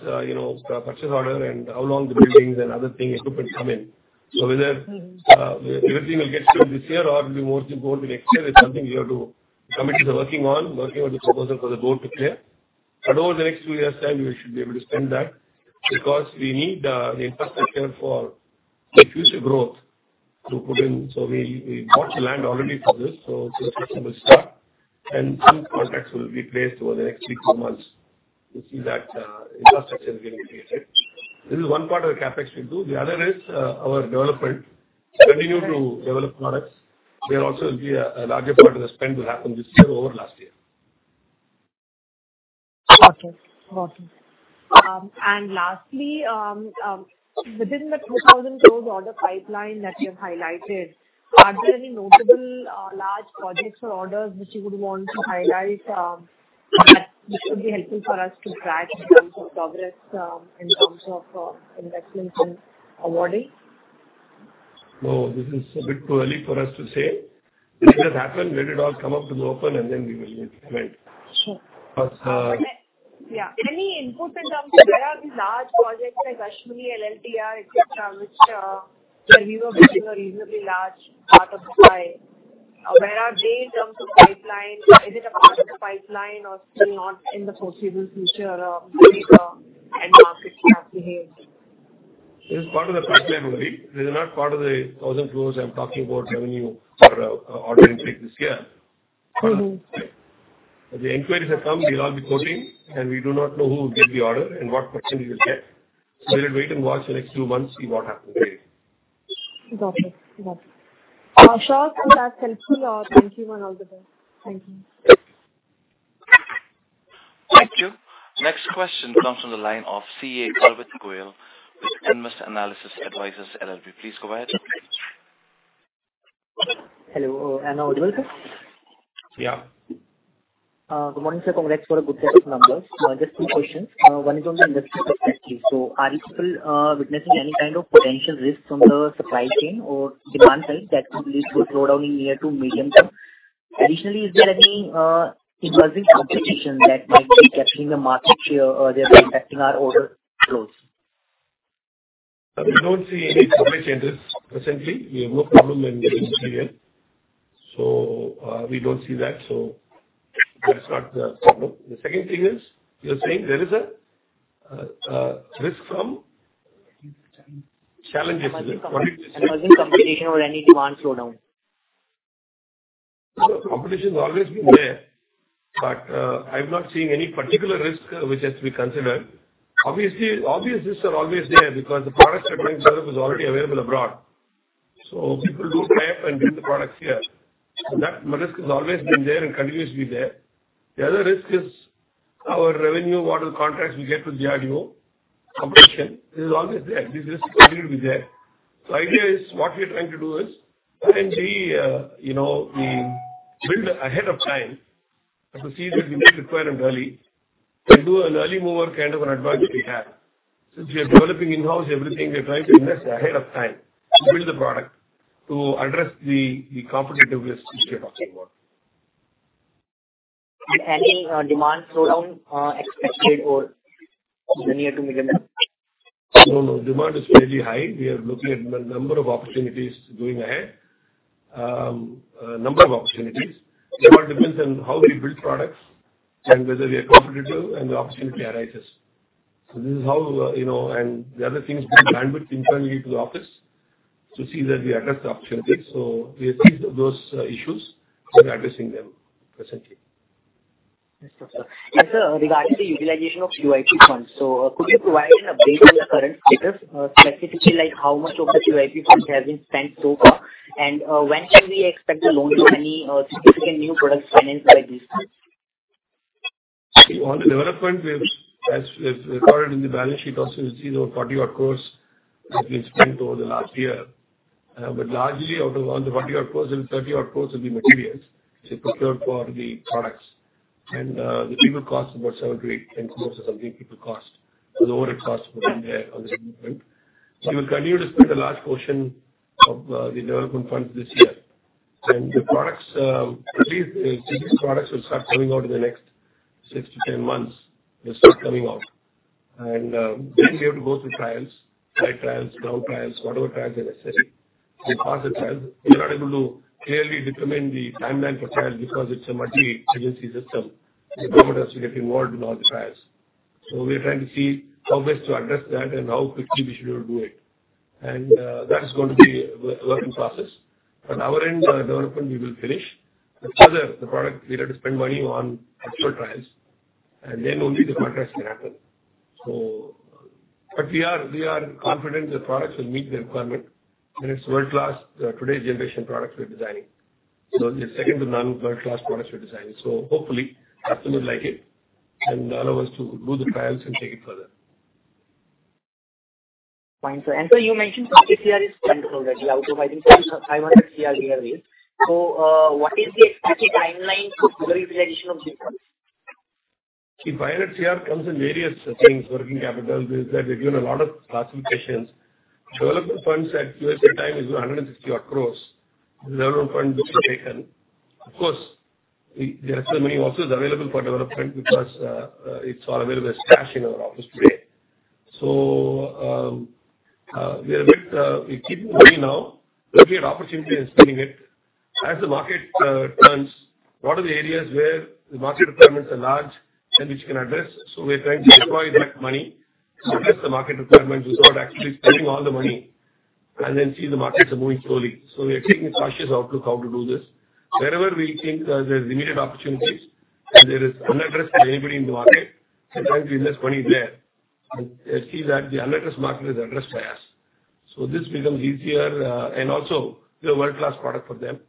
the purchase order, and how long the buildings and other things, equipment come in, so whether everything will get through this year or it will be more to go the next year is something we have to commit to working on, working with the proposal for the board to clear. But over the next two years' time, we should be able to spend that because we need the infrastructure for the future growth to put in, so we bought the land already for this. So this will start, and some contracts will be placed over the next week or months to see that infrastructure is getting created. This is one part of the CapEx we'll do. The other is our development. Continue to develop products. There also will be a larger part of the spend happen this year over last year. Got it. Got it. And lastly, within the 2,000 crores order pipeline that you have highlighted, are there any notable large projects or orders which you would want to highlight that would be helpful for us to track in terms of progress, in terms of investments and awarding? No, this is a bit too early for us to say. It will just happen. Let it all come up to the open, and then we will implement. Sure. Yeah. Any input in terms of where are these large projects like Ashwini, LLTR, etc., which we were given a reasonably large part of the pipeline? Where are they in terms of pipeline? Is it a part of the pipeline or still not in the foreseeable future? And how could you have behaved? It is part of the pipeline only. It is not part of the 1,000 crores I'm talking about revenue or ordering this year. The inquiries have come. They'll all be quoting. We do not know who will get the order and what percentage will get. We'll wait and watch the next two months to see what happens. Got it. Got it. Sure. That's helpful. Thank you, Manoj. Thank you. Thank you. Next question comes from the line of Uncertain Name with Invest Analysis Advisors, LLP. Please go ahead. Hello, Manoj. Welcome. Yeah. Good morning, sir. Congrats for the good test numbers. Just two questions. One is on the industry perspective. So are you people witnessing any kind of potential risks on the supply chain or demand side that could lead to a slowdown in near to medium term? Additionally, is there any emerging competition that might be capturing the market share or therefore impacting our order flows? We don't see any company changes recently. We have no problem in the industry here. So we don't see that. So that's not the problem. The second thing is you're saying there is a risk from challenges. Emerging competition or any demand slowdown? Competition has always been there. But I'm not seeing any particular risk which has to be considered. Obviously, obvious risks are always there because the products that are going to Europe are already available abroad. So people do buy and bring the products here. That risk has always been there and continues to be there. The other risk is our new order contracts we get with the DRDO competition. This is always there. This risk continues to be there. So the idea is what we are trying to do is try and build ahead of time to meet the requirement early and do an early mover kind of an advantage we have. Since we are developing in-house everything, we are trying to invest ahead of time to build the product to address the competitive risk which we are talking about. Is any demand slowdown expected or near to medium? No, no. Demand is fairly high. We are looking at a number of opportunities going ahead. A number of opportunities. It all depends on how we build products and whether we are competitive and the opportunity arises. So this is how and the other thing is bring bandwidth internally to the office to see that we address the opportunities. So we have seen those issues. We are addressing them presently. Yes, sir. Regarding the utilization of QIP funds, so could you provide an update on the current status, specifically how much of the QIP funds have been spent so far? And when can we expect to launch any significant new products financed by these funds? On the development, we have recorded in the balance sheet also seeing over 40-odd crore that we have spent over the last year. But largely, out of all the 40-odd crore, there are 30-odd crore of the materials we have procured for the products. And the people cost about 7 to 8, 10 crore or something. The overhead costs will be there on the development. We will continue to spend a large portion of the development funds this year. And the products, at least the products, will start coming out in the next 6 to 10 months. They will start coming out. And then we have to go through trials, flight trials, ground trials, whatever trials are necessary. We pass the trials. We are not able to clearly determine the timeline for trials because it is a multi-agency system. The government has to get involved in all the trials. So we are trying to see how best to address that and how quickly we should do it. And that is going to be a work in process. On our end, the development we will finish. The further, the product, we have to spend money on actual trials. And then only the contracts can happen. But we are confident the products will meet the requirement. And it's world-class, today's generation products we're designing. So they're second to none world-class products we're designing. So hopefully, customers like it and allow us to do the trials and take it further. Fine, sir. And sir, you mentioned The QIP is funded already. Out of INR 500 crore, we have raised. So what is the expected timeline for full utilization of these funds? See, INR 500 crore comes in various things, working capital. There's a lot of classifications. Development funds at this time is 160-odd crores. The development fund which is taken. Of course, there are so many also available for development because it's all available as cash in our office today. So we keep the money now. We create opportunity and spending it. As the market turns, what are the areas where the market requirements are large and which can address? So we're trying to deploy that money to address the market requirements without actually spending all the money and then see the markets are moving slowly. So we are taking a cautious outlook how to do this. Wherever we think there are immediate opportunities and there is unaddressed by anybody in the market, we're trying to invest money there and see that the unaddressed market is addressed by us. So this becomes easier and also a world-class product for them.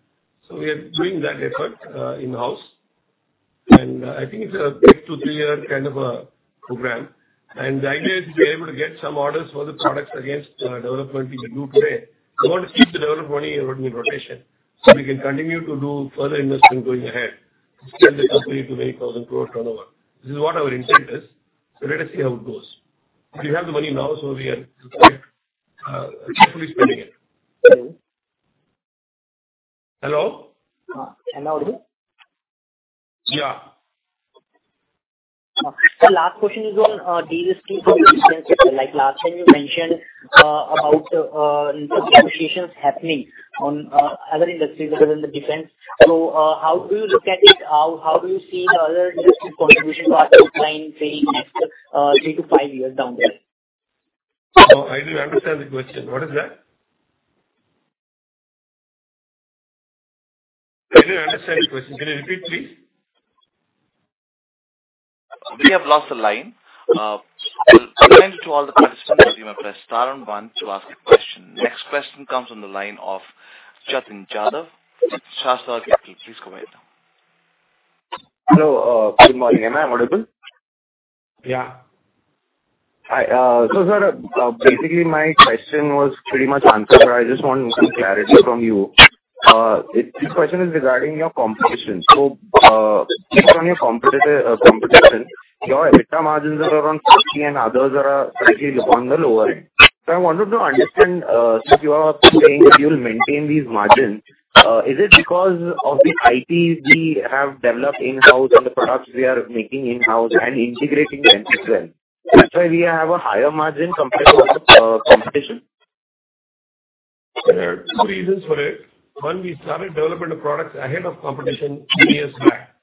So we are doing that effort in-house. And I think it's a two-to-three-year kind of a program. And the idea is we are able to get some orders for the products against development we do today. We want to keep the developed money in rotation so we can continue to do further investment going ahead to spend the company to many thousand crores turnover. This is what our intent is. So let us see how it goes. We have the money now, so we are carefully spending it. Hello? Hello. Yeah. The last question is on de-risking for defense sector. Last time, you mentioned about the negotiations happening on other industries other than the defense. How do you look at it? How do you see the other industry's contribution to our pipeline in the next three to five years down the line? No, I didn't understand the question. What is that? I didn't understand the question. Can you repeat, please? We have lost the line. We'll send it to all the participants if you may press star on one to ask a question. Next question comes on the line of Jatin Jadhav. Sahasrar Capital, please go ahead. Hello. Good morning. Am I audible? Yeah. So sir, basically, my question was pretty much answered, but I just want some clarity from you. This question is regarding your competition. So based on your competition, your EBITDA margins are around 50%, and others are slightly on the lower end. So I wanted to understand since you are saying that you will maintain these margins, is it because of the IPs we have developed in-house and the products we are making in-house and integrating them as well? That's why we have a higher margin compared to the competition? There are two reasons for it. One, we started developing the products ahead of competition years back.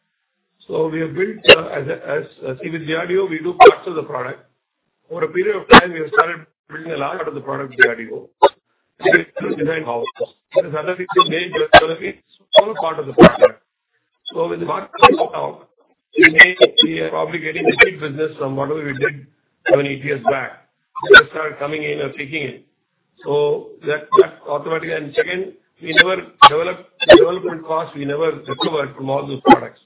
So we have built, as we see with the DRDO, we do parts of the product. Over a period of time, we have started building a large part of the product with the DRDO. We have designed ours. There are other things we made with developing a small part of the product. So with the maturity now, we are probably getting repeat business from whatever we did seven, eight years back. We have started coming in and taking it. So that automatically. And second, we never recovered development costs. We never recovered from all those products.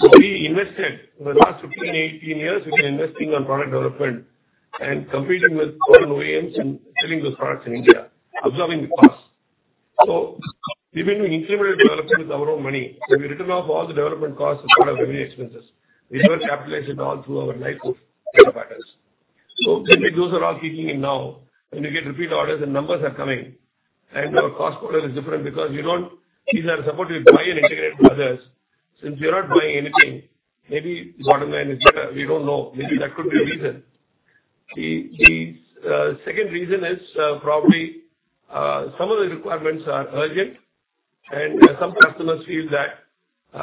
So we invested over the last 15, 18 years. We've been investing on product development and competing with OEMs and selling those products in India, absorbing the costs. So we've been doing incremental development with our own money. We've written off all the development costs as part of every expenses. We never capitalized it all through our life of Data Patterns. So those are all kicking in now. When you get repeat orders and numbers are coming, and your cost model is different because you don't these are supposed to be buy and integrate with others. Since you're not buying anything, maybe the bottom line is better. We don't know. Maybe that could be the reason. The second reason is probably some of the requirements are urgent, and some customers feel that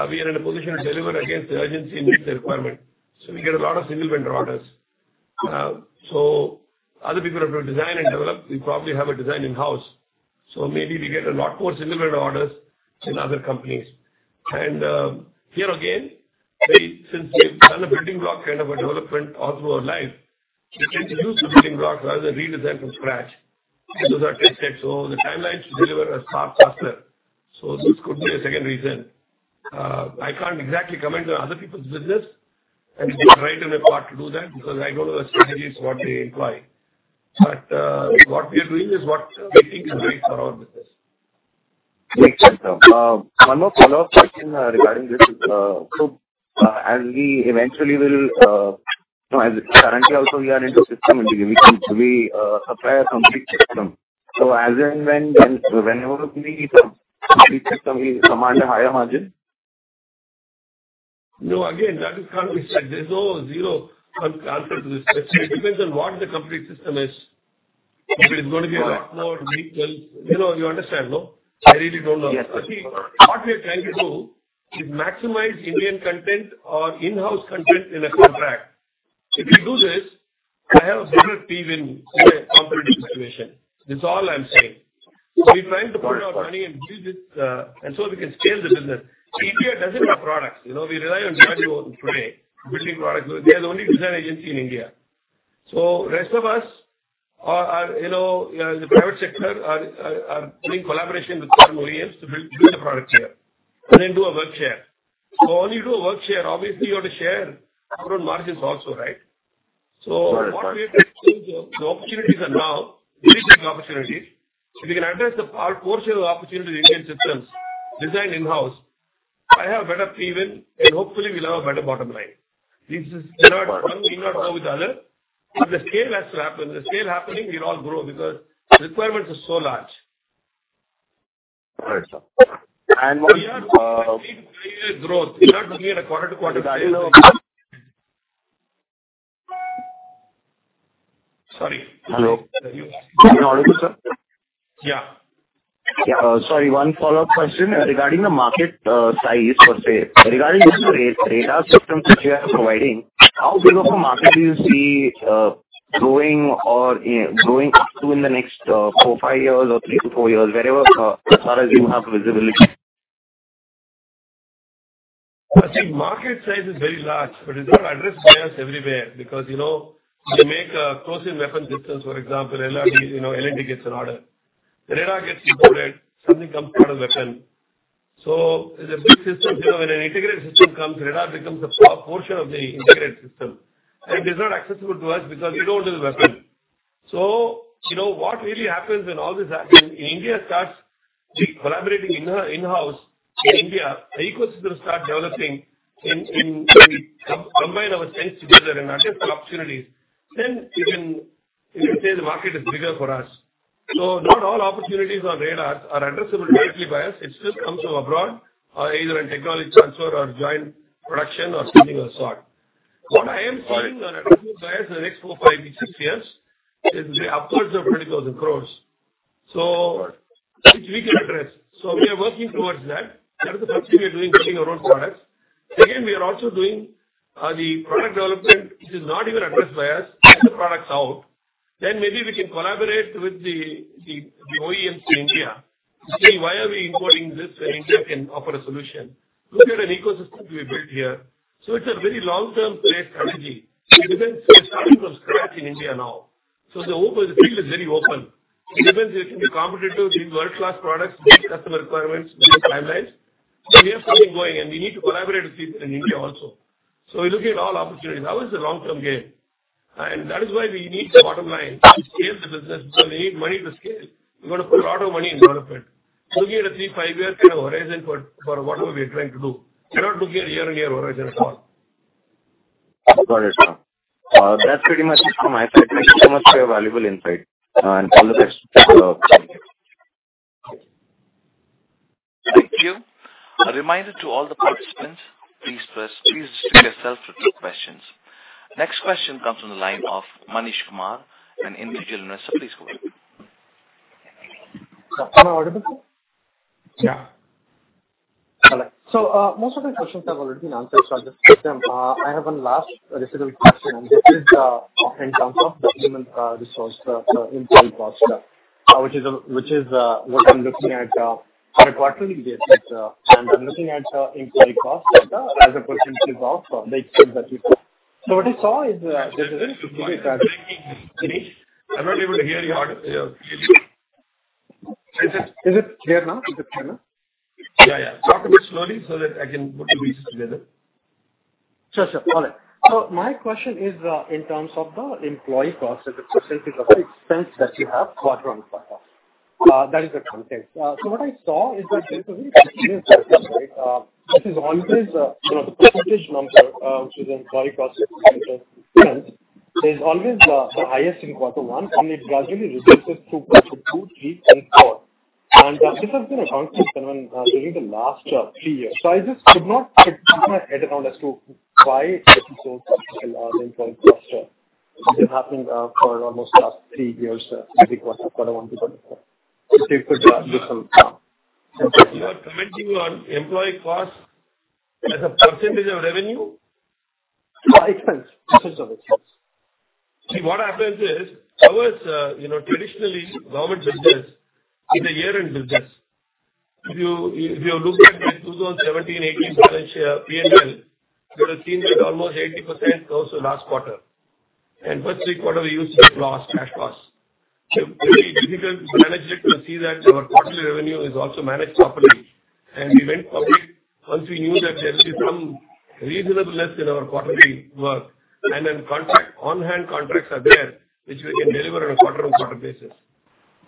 we are in a position to deliver against the urgency and meet the requirement. So we get a lot of single vendor orders. So other people have to design and develop. We probably have a design in-house. So maybe we get a lot more single vendor orders than other companies. And here again, since we've done a building block kind of a development all through our life, we tend to use the building blocks rather than redesign from scratch. Those are tested. So the timeline to deliver is far faster. So this could be a second reason. I can't exactly comment on other people's business, and it's right in my part to do that because I don't know the strategies what they employ. But what we are doing is what we think is right for our business. Excellent. One more follow-up question regarding this is, so as we eventually will, as currently also we are into system integration. Do we supply a complete system? So as and when, whenever we need a complete system, we command a higher margin? No, again, that is currently said. There's no zero answer to this question. It depends on what the complete system is. If it is going to be a lot more details, you understand, no? I really don't know. But see, what we are trying to do is maximize Indian content or in-house content in a contract. If we do this, I have a bigger edge in the competitive situation. That's all I'm saying. We're trying to put our money and build this and so we can scale the business. India doesn't have products. We rely on DRDO today, building products. There's only one design agency in India. So the rest of us are in the private sector are doing collaboration with certain OEMs to build the product here and then do a work share. So when you do a work share, obviously, you have to share upfront margins also, right? What we have to do is the opportunities are now really big opportunities. If we can address the portion of the opportunity in Indian systems, design in-house, I have a better P/E, and hopefully, we'll have a better bottom line. This is not one without the other. But the scale has to happen. The scale happening, we'll all grow because the requirements are so large. All right, sir. And what is the? We are seeing greater growth. We're not looking at a quarter-to-quarter scale. Sorry. Hello? Can you ask me? Can you audible? Yeah. Yeah. Sorry, one follow-up question regarding the market size per se. Regarding the data systems that you are providing, how big of a market do you see growing or growing up to in the next four, five years or three to four years, wherever as far as you have visibility? I think market size is very large, but it's not addressed by us everywhere because you make a close-in weapon systems, for example, L&T gets an order. The radar gets deployed. Something comes out of the weapon. So there's a big system. When an integrated system comes, radar becomes a portion of the integrated system. And it is not accessible to us because we don't have the weapon. So what really happens when all this happens in India starts collaborating in-house in India, equal systems start developing, we combine our strengths together and address the opportunities, then you can say the market is bigger for us. So not all opportunities on radars are addressable directly by us. It still comes from abroad, either in technology transfer or joint production or something of the sort. What I am seeing on addressable by us in the next four, five, six years is upwards of 20,000 crore, which we can address. So we are working towards that. That is the first thing we are doing, putting our own products. Again, we are also doing the product development, which is not even addressed by us, get the products out. Then maybe we can collaborate with the OEMs in India to see why are we importing this when India can offer a solution. Look at an ecosystem we built here. So it's a very long-term play strategy. We're starting from scratch in India now. So the field is very open. It depends if it can be competitive with world-class products, different customer requirements, different timelines. So we have something going, and we need to collaborate with people in India also. So we're looking at all opportunities. How is the long-term game? And that is why we need the bottom line to scale the business because we need money to scale. We're going to put a lot of money in development. Looking at a three- to five-year kind of horizon for whatever we are trying to do. We're not looking at year-on-year horizon at all. All right, sir. That's pretty much it from my side. Thank you so much for your valuable insight and all the questions. Thank you. Thank you. A reminder to all the participants, please press. Please stick to the questions. Next question comes on the line of Manish Kumar, an individual investor, so please go ahead. Can I audible? Yeah. Hello, so most of the questions have already been answered, so I'll just skip them, I have one last digital question, and this is in terms of the human resource employee cost, which is what I'm looking at quarterly basis, and I'm looking at employee cost as a percentage of the expense that you've got, so what I saw is there's a little bit of a... I'm not able to hear your audio. Is it clear now? Is it clear now? Yeah, yeah. Talk a bit slowly so that I can put the pieces together. Sure, sure. All right. So my question is in terms of the employee cost as a percentage of the expense that you have quarter on quarter. That is the context. So what I saw is that there's a very continuous growth, right? This is always the percentage number, which is the employee cost as a percentage. It's always the highest in quarter one, and it gradually reduces to quarter two, three, and four. And this has been a constant phenomenon during the last three years. So I just could not put my head around as to why it's getting so critical, the employee cost. This has been happening for almost the last three years, I think, what I want to go for. So if you could give some... You are commenting on employee cost as a percentage of revenue? Expense of expense. See, what happens is our traditionally government business is a year-end business. If you look at 2017, 2018 balance sheet of P&L, you will have seen that almost 80% goes to last quarter, and first three quarters, we used to be cash loss. It would be difficult to manage it to see that our quarterly revenue is also managed properly, and we went public once we knew that there will be some reasonableness in our quarterly work. And then on-hand contracts are there, which we can deliver on a quarter-on-quarter basis.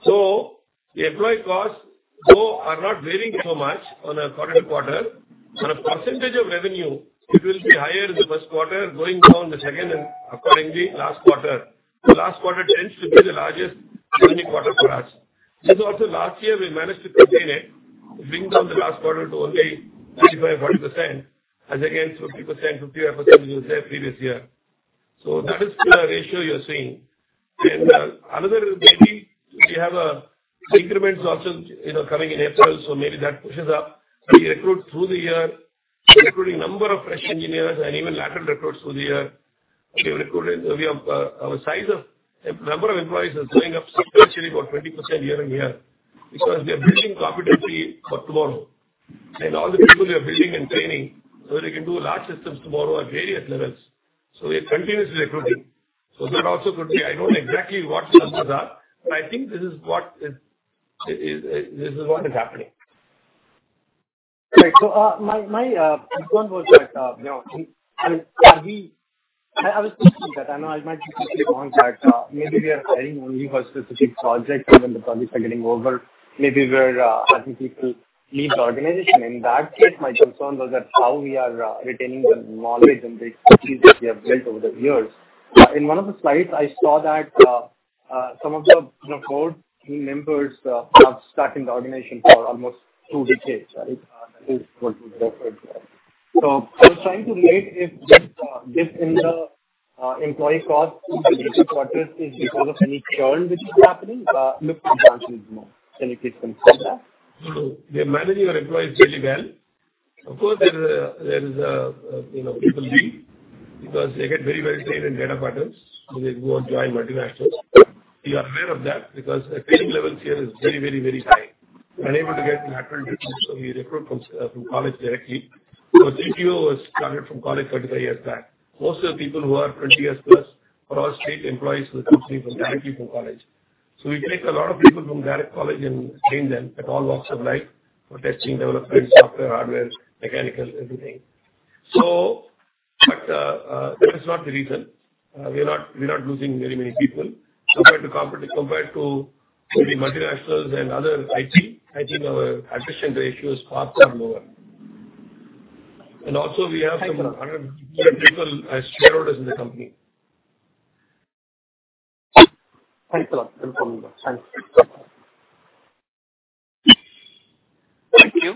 So the employee costs are not varying so much on a quarter-to-quarter. On a percentage of revenue, it will be higher in the first quarter, going down the second and accordingly last quarter. The last quarter tends to be the largest revenue quarter for us. This is also last year we managed to contain it, bring down the last quarter to only 35-40%, as against 50%-55% we would say previous year. So that is the ratio you're seeing. And another is maybe we have increments also coming in April, so maybe that pushes up. We recruit through the year. We're recruiting a number of fresh engineers and even lateral recruits through the year. We have recruited. Our number of employees is going up substantially, about 20% year-on-year, because we are building competency for tomorrow. And all the people we are building and training so that we can do large systems tomorrow at various levels. So we are continuously recruiting. So that also could be, I don't know exactly what the numbers are, but I think this is what is happening. All right. So my concern was that I was thinking that I might be thinking wrong, that maybe we are hiring only for specific projects, and when the projects are getting older, maybe we're having people leave the organization. In that case, my concern was that how we are retaining the knowledge and the expertise that we have built over the years. In one of the slides, I saw that some of the board members have stuck in the organization for almost two decades, right? That is what was referred to. So I was trying to relate if this in the employee cost in the later quarters is because of any churn which is happening. Look to the answer is no. Can you please confirm that? So we are managing our employees really well. Of course, there is a people need because they get very well trained in Data Patterns when they go and join multinationals. We are aware of that because the training level here is very, very, very high. We're unable to get lateral recruits. So we recruit from college directly. So GET was started from college 35 years back. Most of the people who are 20 years plus are all state employees who are coming directly from college. So we take a lot of people from direct college and train them at all walks of life for testing, development, software, hardware, mechanical, everything. But that is not the reason. We're not losing very many people. Compared to multinationals and other IT, I think our attrition ratio is far, far lower. And also, we have some 100 people as shareholders in the company. Thanks a lot. Thanks. Thank you.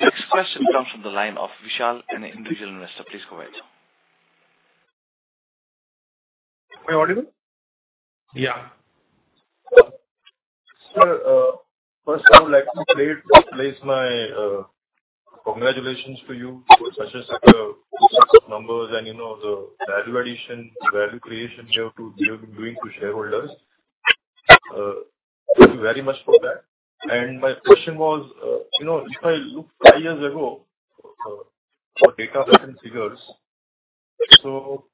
Next question comes from the line of Vishal and Individual Investor. Please go ahead. Am I audible? Yeah. Sir, first, I would like to place my congratulations to you for such a successful number and the value addition, value creation you have been doing to shareholders. Thank you very much for that. And my question was, if I look five years ago for Data Patterns figures, so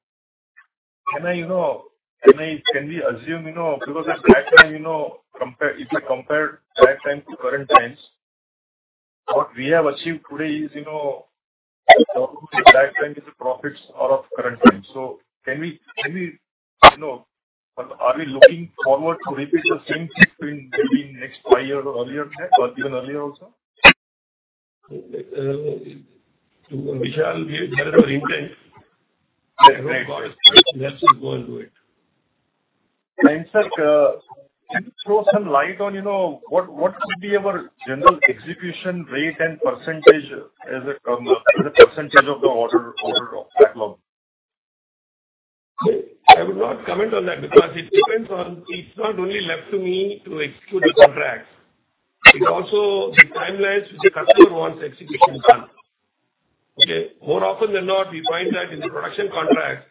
can we assume because if we compare back time to current times, what we have achieved today is the back time is the profits out of current time. So can we, are we looking forward to repeat the same thing maybe in the next five years or earlier than that, or even earlier also? Vishal, we have the intent. Great. Let's go and do it. Sir, can you throw some light on what would be our general execution rate and percentage as a percentage of the order backlog? I would not comment on that because it depends on. It's not only left to me to execute the contracts. It's also the timelines which the customer wants execution done. Okay? More often than not, we find that in the production contract,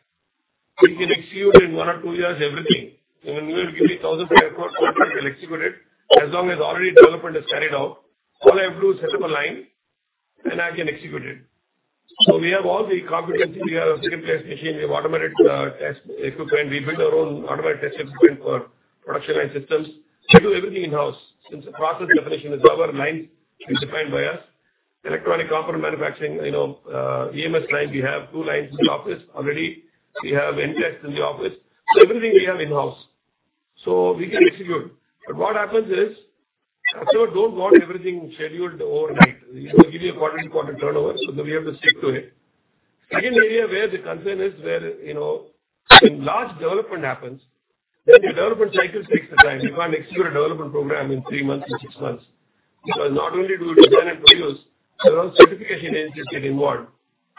we can execute in one or two years everything. When we will give you 1,500, we will execute it as long as already development is carried out. All I have to do is set up a line, and I can execute it. So we have all the competency. We have an SMT placement machine. We have automated test equipment. We build our own automated test equipment for production line systems. We do everything in-house since the process definition is our lines are defined by us. Electronic contract manufacturing, EMS line, we have two lines in the house already. We have ATEs in the house. So everything we have in-house. So we can execute. But what happens is, sir, don't want everything scheduled overnight. You give me a quarter-to-quarter turnover, but then we have to stick to it. Second area where the concern is where large development happens, the development cycle takes the time. You can't execute a development program in three months and six months because not only do we design and produce, but all certification agencies get involved.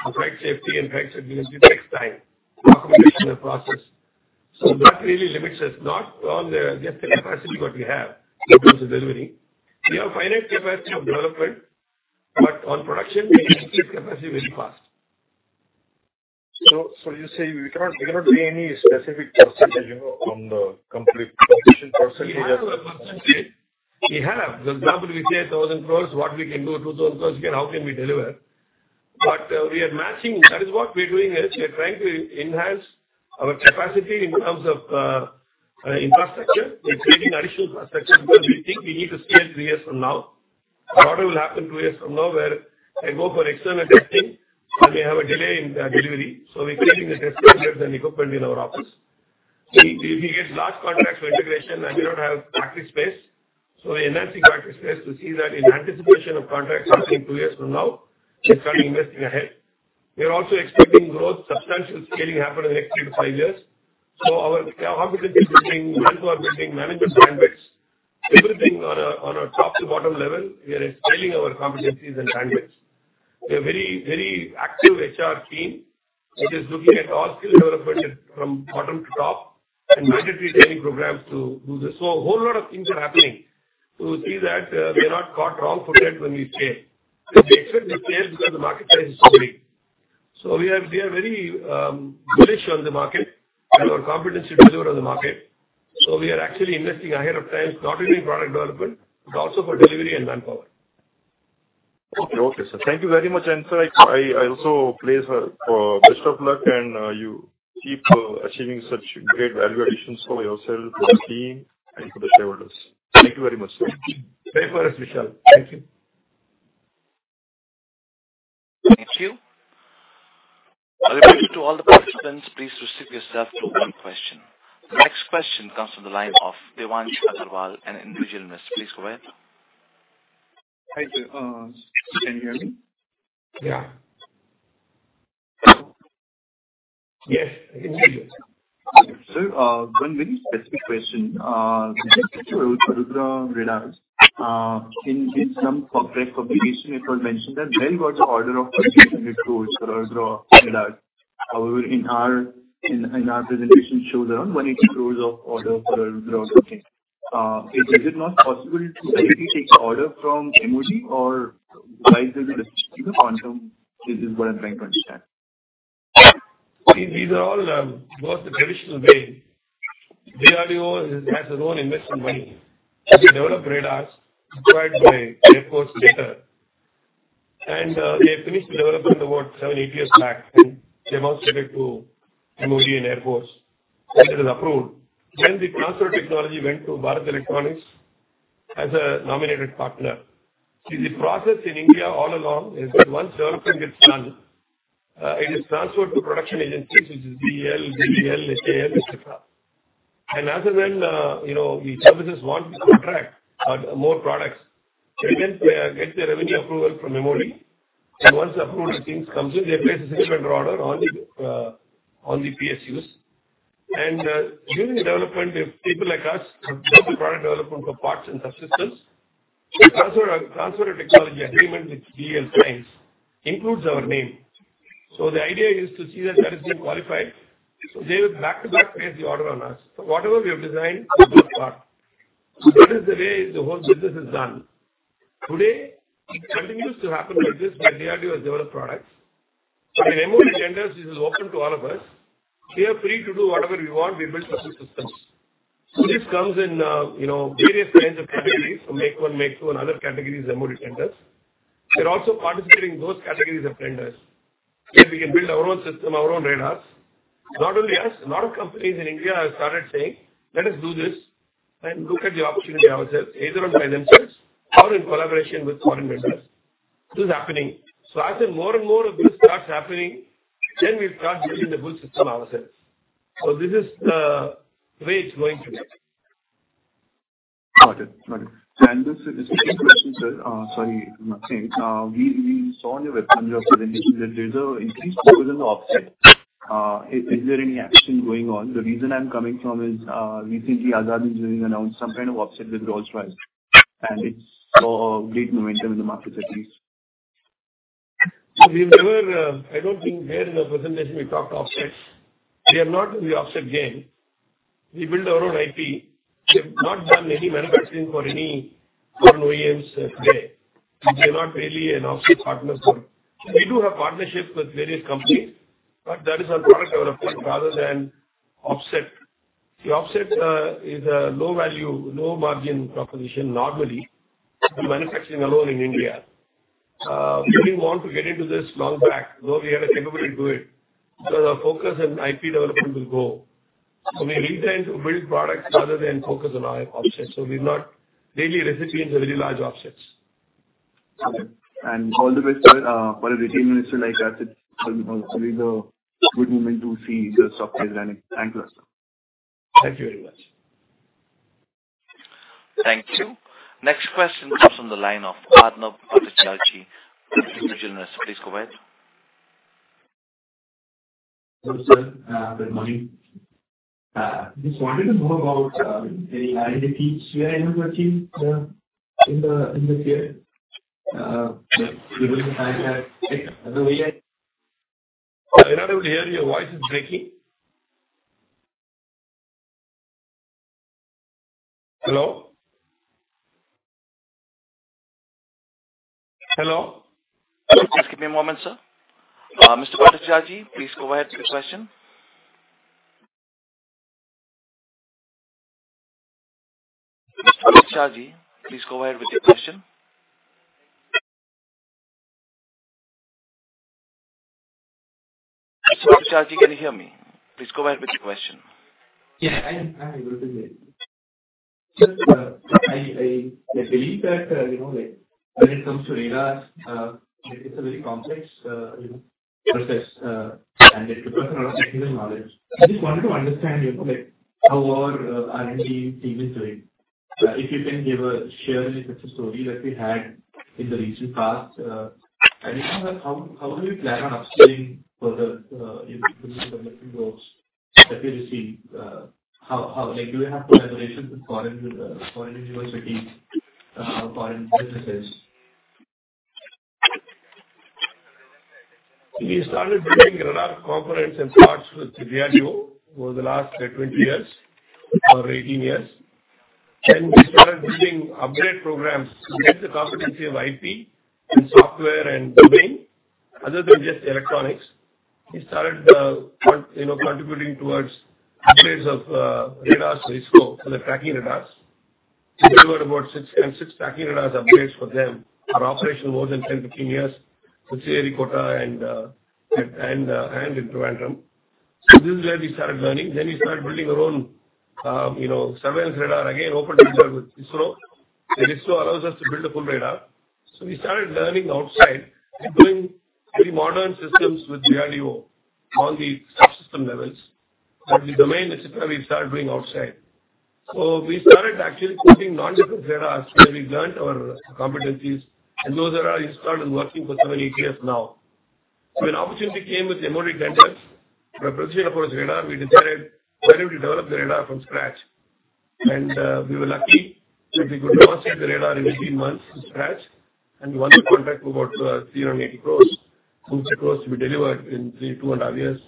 The flight safety and flight certification takes time. Documentation and process. So that really limits us, not on just the capacity what we have in terms of delivery. We have finite capacity of development, but on production, we increase capacity very fast. So you say we cannot be any specific percentage from the complete production percentage as well? We have. For example, we say 1,000 crores, what we can do, 2,000 crores, how can we deliver? But we are matching. That is what we're doing is we're trying to enhance our capacity in terms of infrastructure. We're creating additional infrastructure because we think we need to scale three years from now. The order will happen two years from now where I go for external testing, and we have a delay in delivery. So we're creating the test standards and equipment in our office. We get large contracts for integration, and we don't have factory space. So we're enhancing factory space to see that in anticipation of contracts happening two years from now, we're starting investing ahead. We're also expecting growth, substantial scaling happening in the next three to five years. Our competency building, mentor building, management bandwidths, everything on a top-to-bottom level, we are scaling our competencies and bandwidths. We have a very active HR team which is looking at all skill development from bottom to top and mandatory training programs to do this. So a whole lot of things are happening to see that we are not caught wrong-footed when we scale. We expect to scale because the market size is so big. So we are very bullish on the market and our competency to deliver on the market. So we are actually investing ahead of time, not only in product development, but also for delivery and manpower. Okay, okay. So thank you very much, and sir, I also pray for best of luck and you keep achieving such great value additions for yourself, your team, and for the shareholders. Thank you very much, sir. Same for us, Vishal. Thank you. Thank you. All the participants, please restrict yourselves to one question. The next question comes from the line of Devansh Aggarwal and Indri Jelunesh. Please go ahead. Hi, sir. Can you hear me? Yeah. Yes, I can hear you. Sir, one very specific question. The Arudra Radars, in some corporate communication, it was mentioned that they've got the order of INR 22 crores for Arudra Radars. However, in our presentation, it shows around 180 crores of order for Arudra Radars. Is it not possible to directly take order from MOD, or why is there no discussion in the quantum? This is what I'm trying to understand. See, these are all both the traditional way. DRDO has their own investment money. They develop Radars acquired by Air Force later. And they finished development about seven, eight years back, and they bounced it back to MOD and Air Force. And it was approved. Then the transfer of technology went to Bharat Electronics as a nominated partner. See, the process in India all along is that once development gets done, it is transferred to production agencies, which is BEL, BDL, HAL, etc. And as of then, the services want to contract more products. They then get the revenue approval from MOD. And once the approval things come through, they place a single vendor order on the PSUs. And during development, if people like us have done the product development for parts and subsystems, the transfer of technology agreement with BEL plans includes our name. So the idea is to see that that is being qualified. So they will back to back place the order on us. So whatever we have designed, we just part. That is the way the whole business is done. Today, it continues to happen like this by DRDO-developed products. But in MOD tenders, this is open to all of us. We are free to do whatever we want. We build subsystems. So this comes in various kinds of categories. So Make-I, Make-II, and other categories of MOD tenders. We're also participating in those categories of tenders that we can build our own system, our own radars. Not only us, a lot of companies in India have started saying, "Let us do this and look at the opportunity ourselves, either by themselves or in collaboration with foreign vendors." This is happening. So as more and more of this starts happening, then we'll start building the full system ourselves. So this is the way it's going to be. Got it. Got it, and just a quick question, sir. Sorry, I'm not saying. We saw on your webinar presentation that there's an increased focus on the offset. Is there any action going on? The reason I'm coming from is recently Azad Engineering announced some kind of offset with Rolls-Royce, and it saw great momentum in the market, at least. So we've never. I don't think here in the presentation we talked offset. We are not in the offset game. We build our own IP. We have not done any manufacturing for any foreign OEMs today. We are not really an offset partner for. We do have partnerships with various companies, but that is on product development rather than offset. The offset is a low-value, low-margin proposition normally to be manufacturing alone in India. We didn't want to get into this long back, though we had the capability to do it, because our focus and IP development will grow. So we really try to build products rather than focus on our offset. So we're not daily recipients of very large offsets. Got it. And all the best for a re-appointment like that. It will be a good moment to see the stock price running. Thank you, sir. Thank you very much. Thank you. Next question comes from the line of Parth Pathak Galaxy, Indri Jelunesh. Please go ahead. Hello, sir. Good morning. Just wanted to know about any R&D feats we have achieved in this year. Given the fact that the way I- I don't hear you. Your voice is breaking. Hello? Hello? Just give me a moment, sir. Mr. Parth Pathak, please go ahead with your question. Mr. Parth Pathak, can you hear me? Please go ahead with your question. Yes, I'm able to hear you. Just I believe that when it comes to Radars, it's a very complex process and it requires a lot of technical knowledge. I just wanted to understand how our R&D team is doing. If you can give a share in such a story that we had in the recent past, I don't know how do you plan on upskilling for the development roles that we receive? Do we have collaborations with foreign universities, foreign businesses? We started building radar components and parts with DRDO over the last 20 years or 18 years. Then we started building upgrade programs. We get the competency of IP and software and domain, other than just electronics. We started contributing towards upgrades of radars for the tracking radars. We delivered about six tracking radars upgrades for them. Our operation was in 10, 15 years with Sriharikota and Thiruvananthapuram. So this is where we started learning. Then we started building our own surveillance radar, again, open data with ISRO. And ISRO allows us to build a full radar. So we started learning outside. We're doing very modern systems with DRDO on the subsystem levels. But the domain, etc., we've started doing outside. So we started actually putting non-different radars where we learned our competencies. And those are installed and working for seven, eight years now. When the opportunity came with MOD tenders, representation for this radar, we decided to develop the radar from scratch. We were lucky that we could master the radar in 18 months from scratch. We won the contract for about 380 crores. 250 crores to be delivered in two and a half years.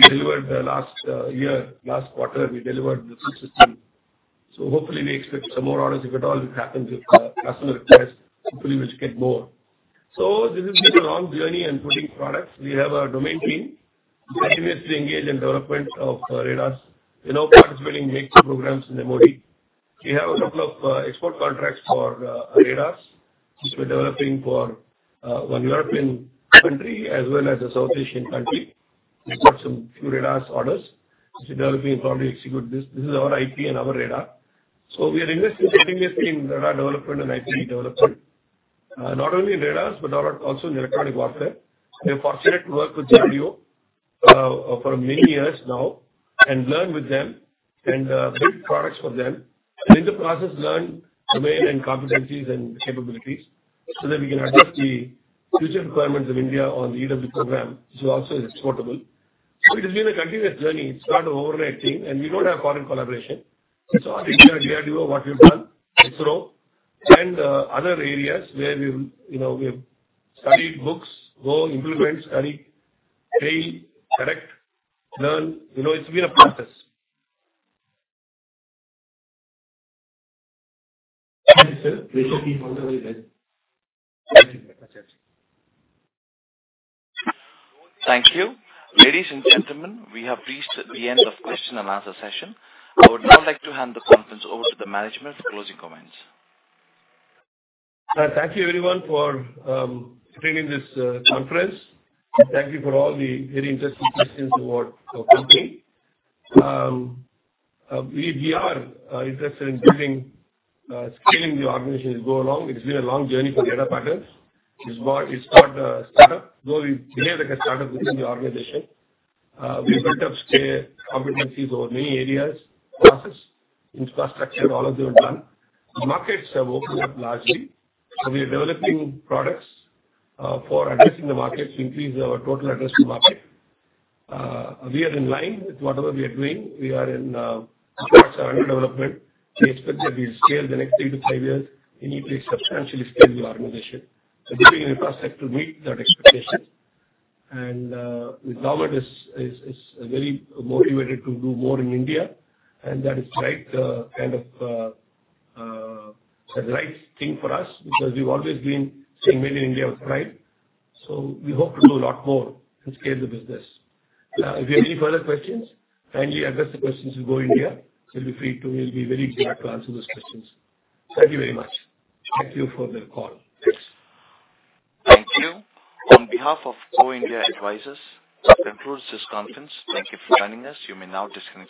We delivered last year. Last quarter, we delivered the full system. We expect some more orders if at all, if it happens with customer request. We'll get more. This has been a long journey and putting products. We have a domain team continuously engaged in development of radars. We're now participating in making programs in MOD. We have a couple of export contracts for radars, which we're developing for one European country as well as a South Asian country. We've got some few radars orders. We're developing and probably execute this. This is our IP and our Radar, so we are investing continuously in Radar development and IP development, not only in Radars, but also in electronic warfare. We are fortunate to work with DRDO for many years now and learn with them and build products for them and, in the process, learn domain and competencies and capabilities so that we can address the future requirements of India on the EW program, which also is exportable, so it has been a continuous journey. It's not an overnight thing, and we don't have foreign collaboration. It's all India and DRDO, what we've done, ISRO, and other areas where we've studied books, go implement, study, trial, correct, learn. It's been a process. Thank you, sir. The research team worked very well. Thank you. Thank you. Ladies and gentlemen, we have reached the end of the question and answer session. I would now like to hand the conference over to the management for closing comments. Thank you, everyone, for attending this conference. Thank you for all the very interesting questions about our company. We are interested in scaling the organization as we go along. It's been a long journey for Data Patterns. It's not a startup, though we behave like a startup within the organization. We've built up competencies over many areas. Process, infrastructure, all of them done. The markets have opened up largely. So we are developing products for addressing the market to increase our total address to market. We are in line with whatever we are doing. We are in parts of underdevelopment. We expect that we'll scale the next three to five years. We need to substantially scale the organization. We're giving infrastructure to meet that expectation. And the government is very motivated to do more in India. That is the right kind of, that's the right thing for us because we've always been seeing made in India with pride. We hope to do a lot more and scale the business. If you have any further questions, kindly address the questions in Go India. You'll be free to, we'll be very glad to answer those questions. Thank you very much. Thank you for the call. Thanks. Thank you. On behalf of Go India Advisors, this concludes this conference. Thank you for joining us. You may now disconnect.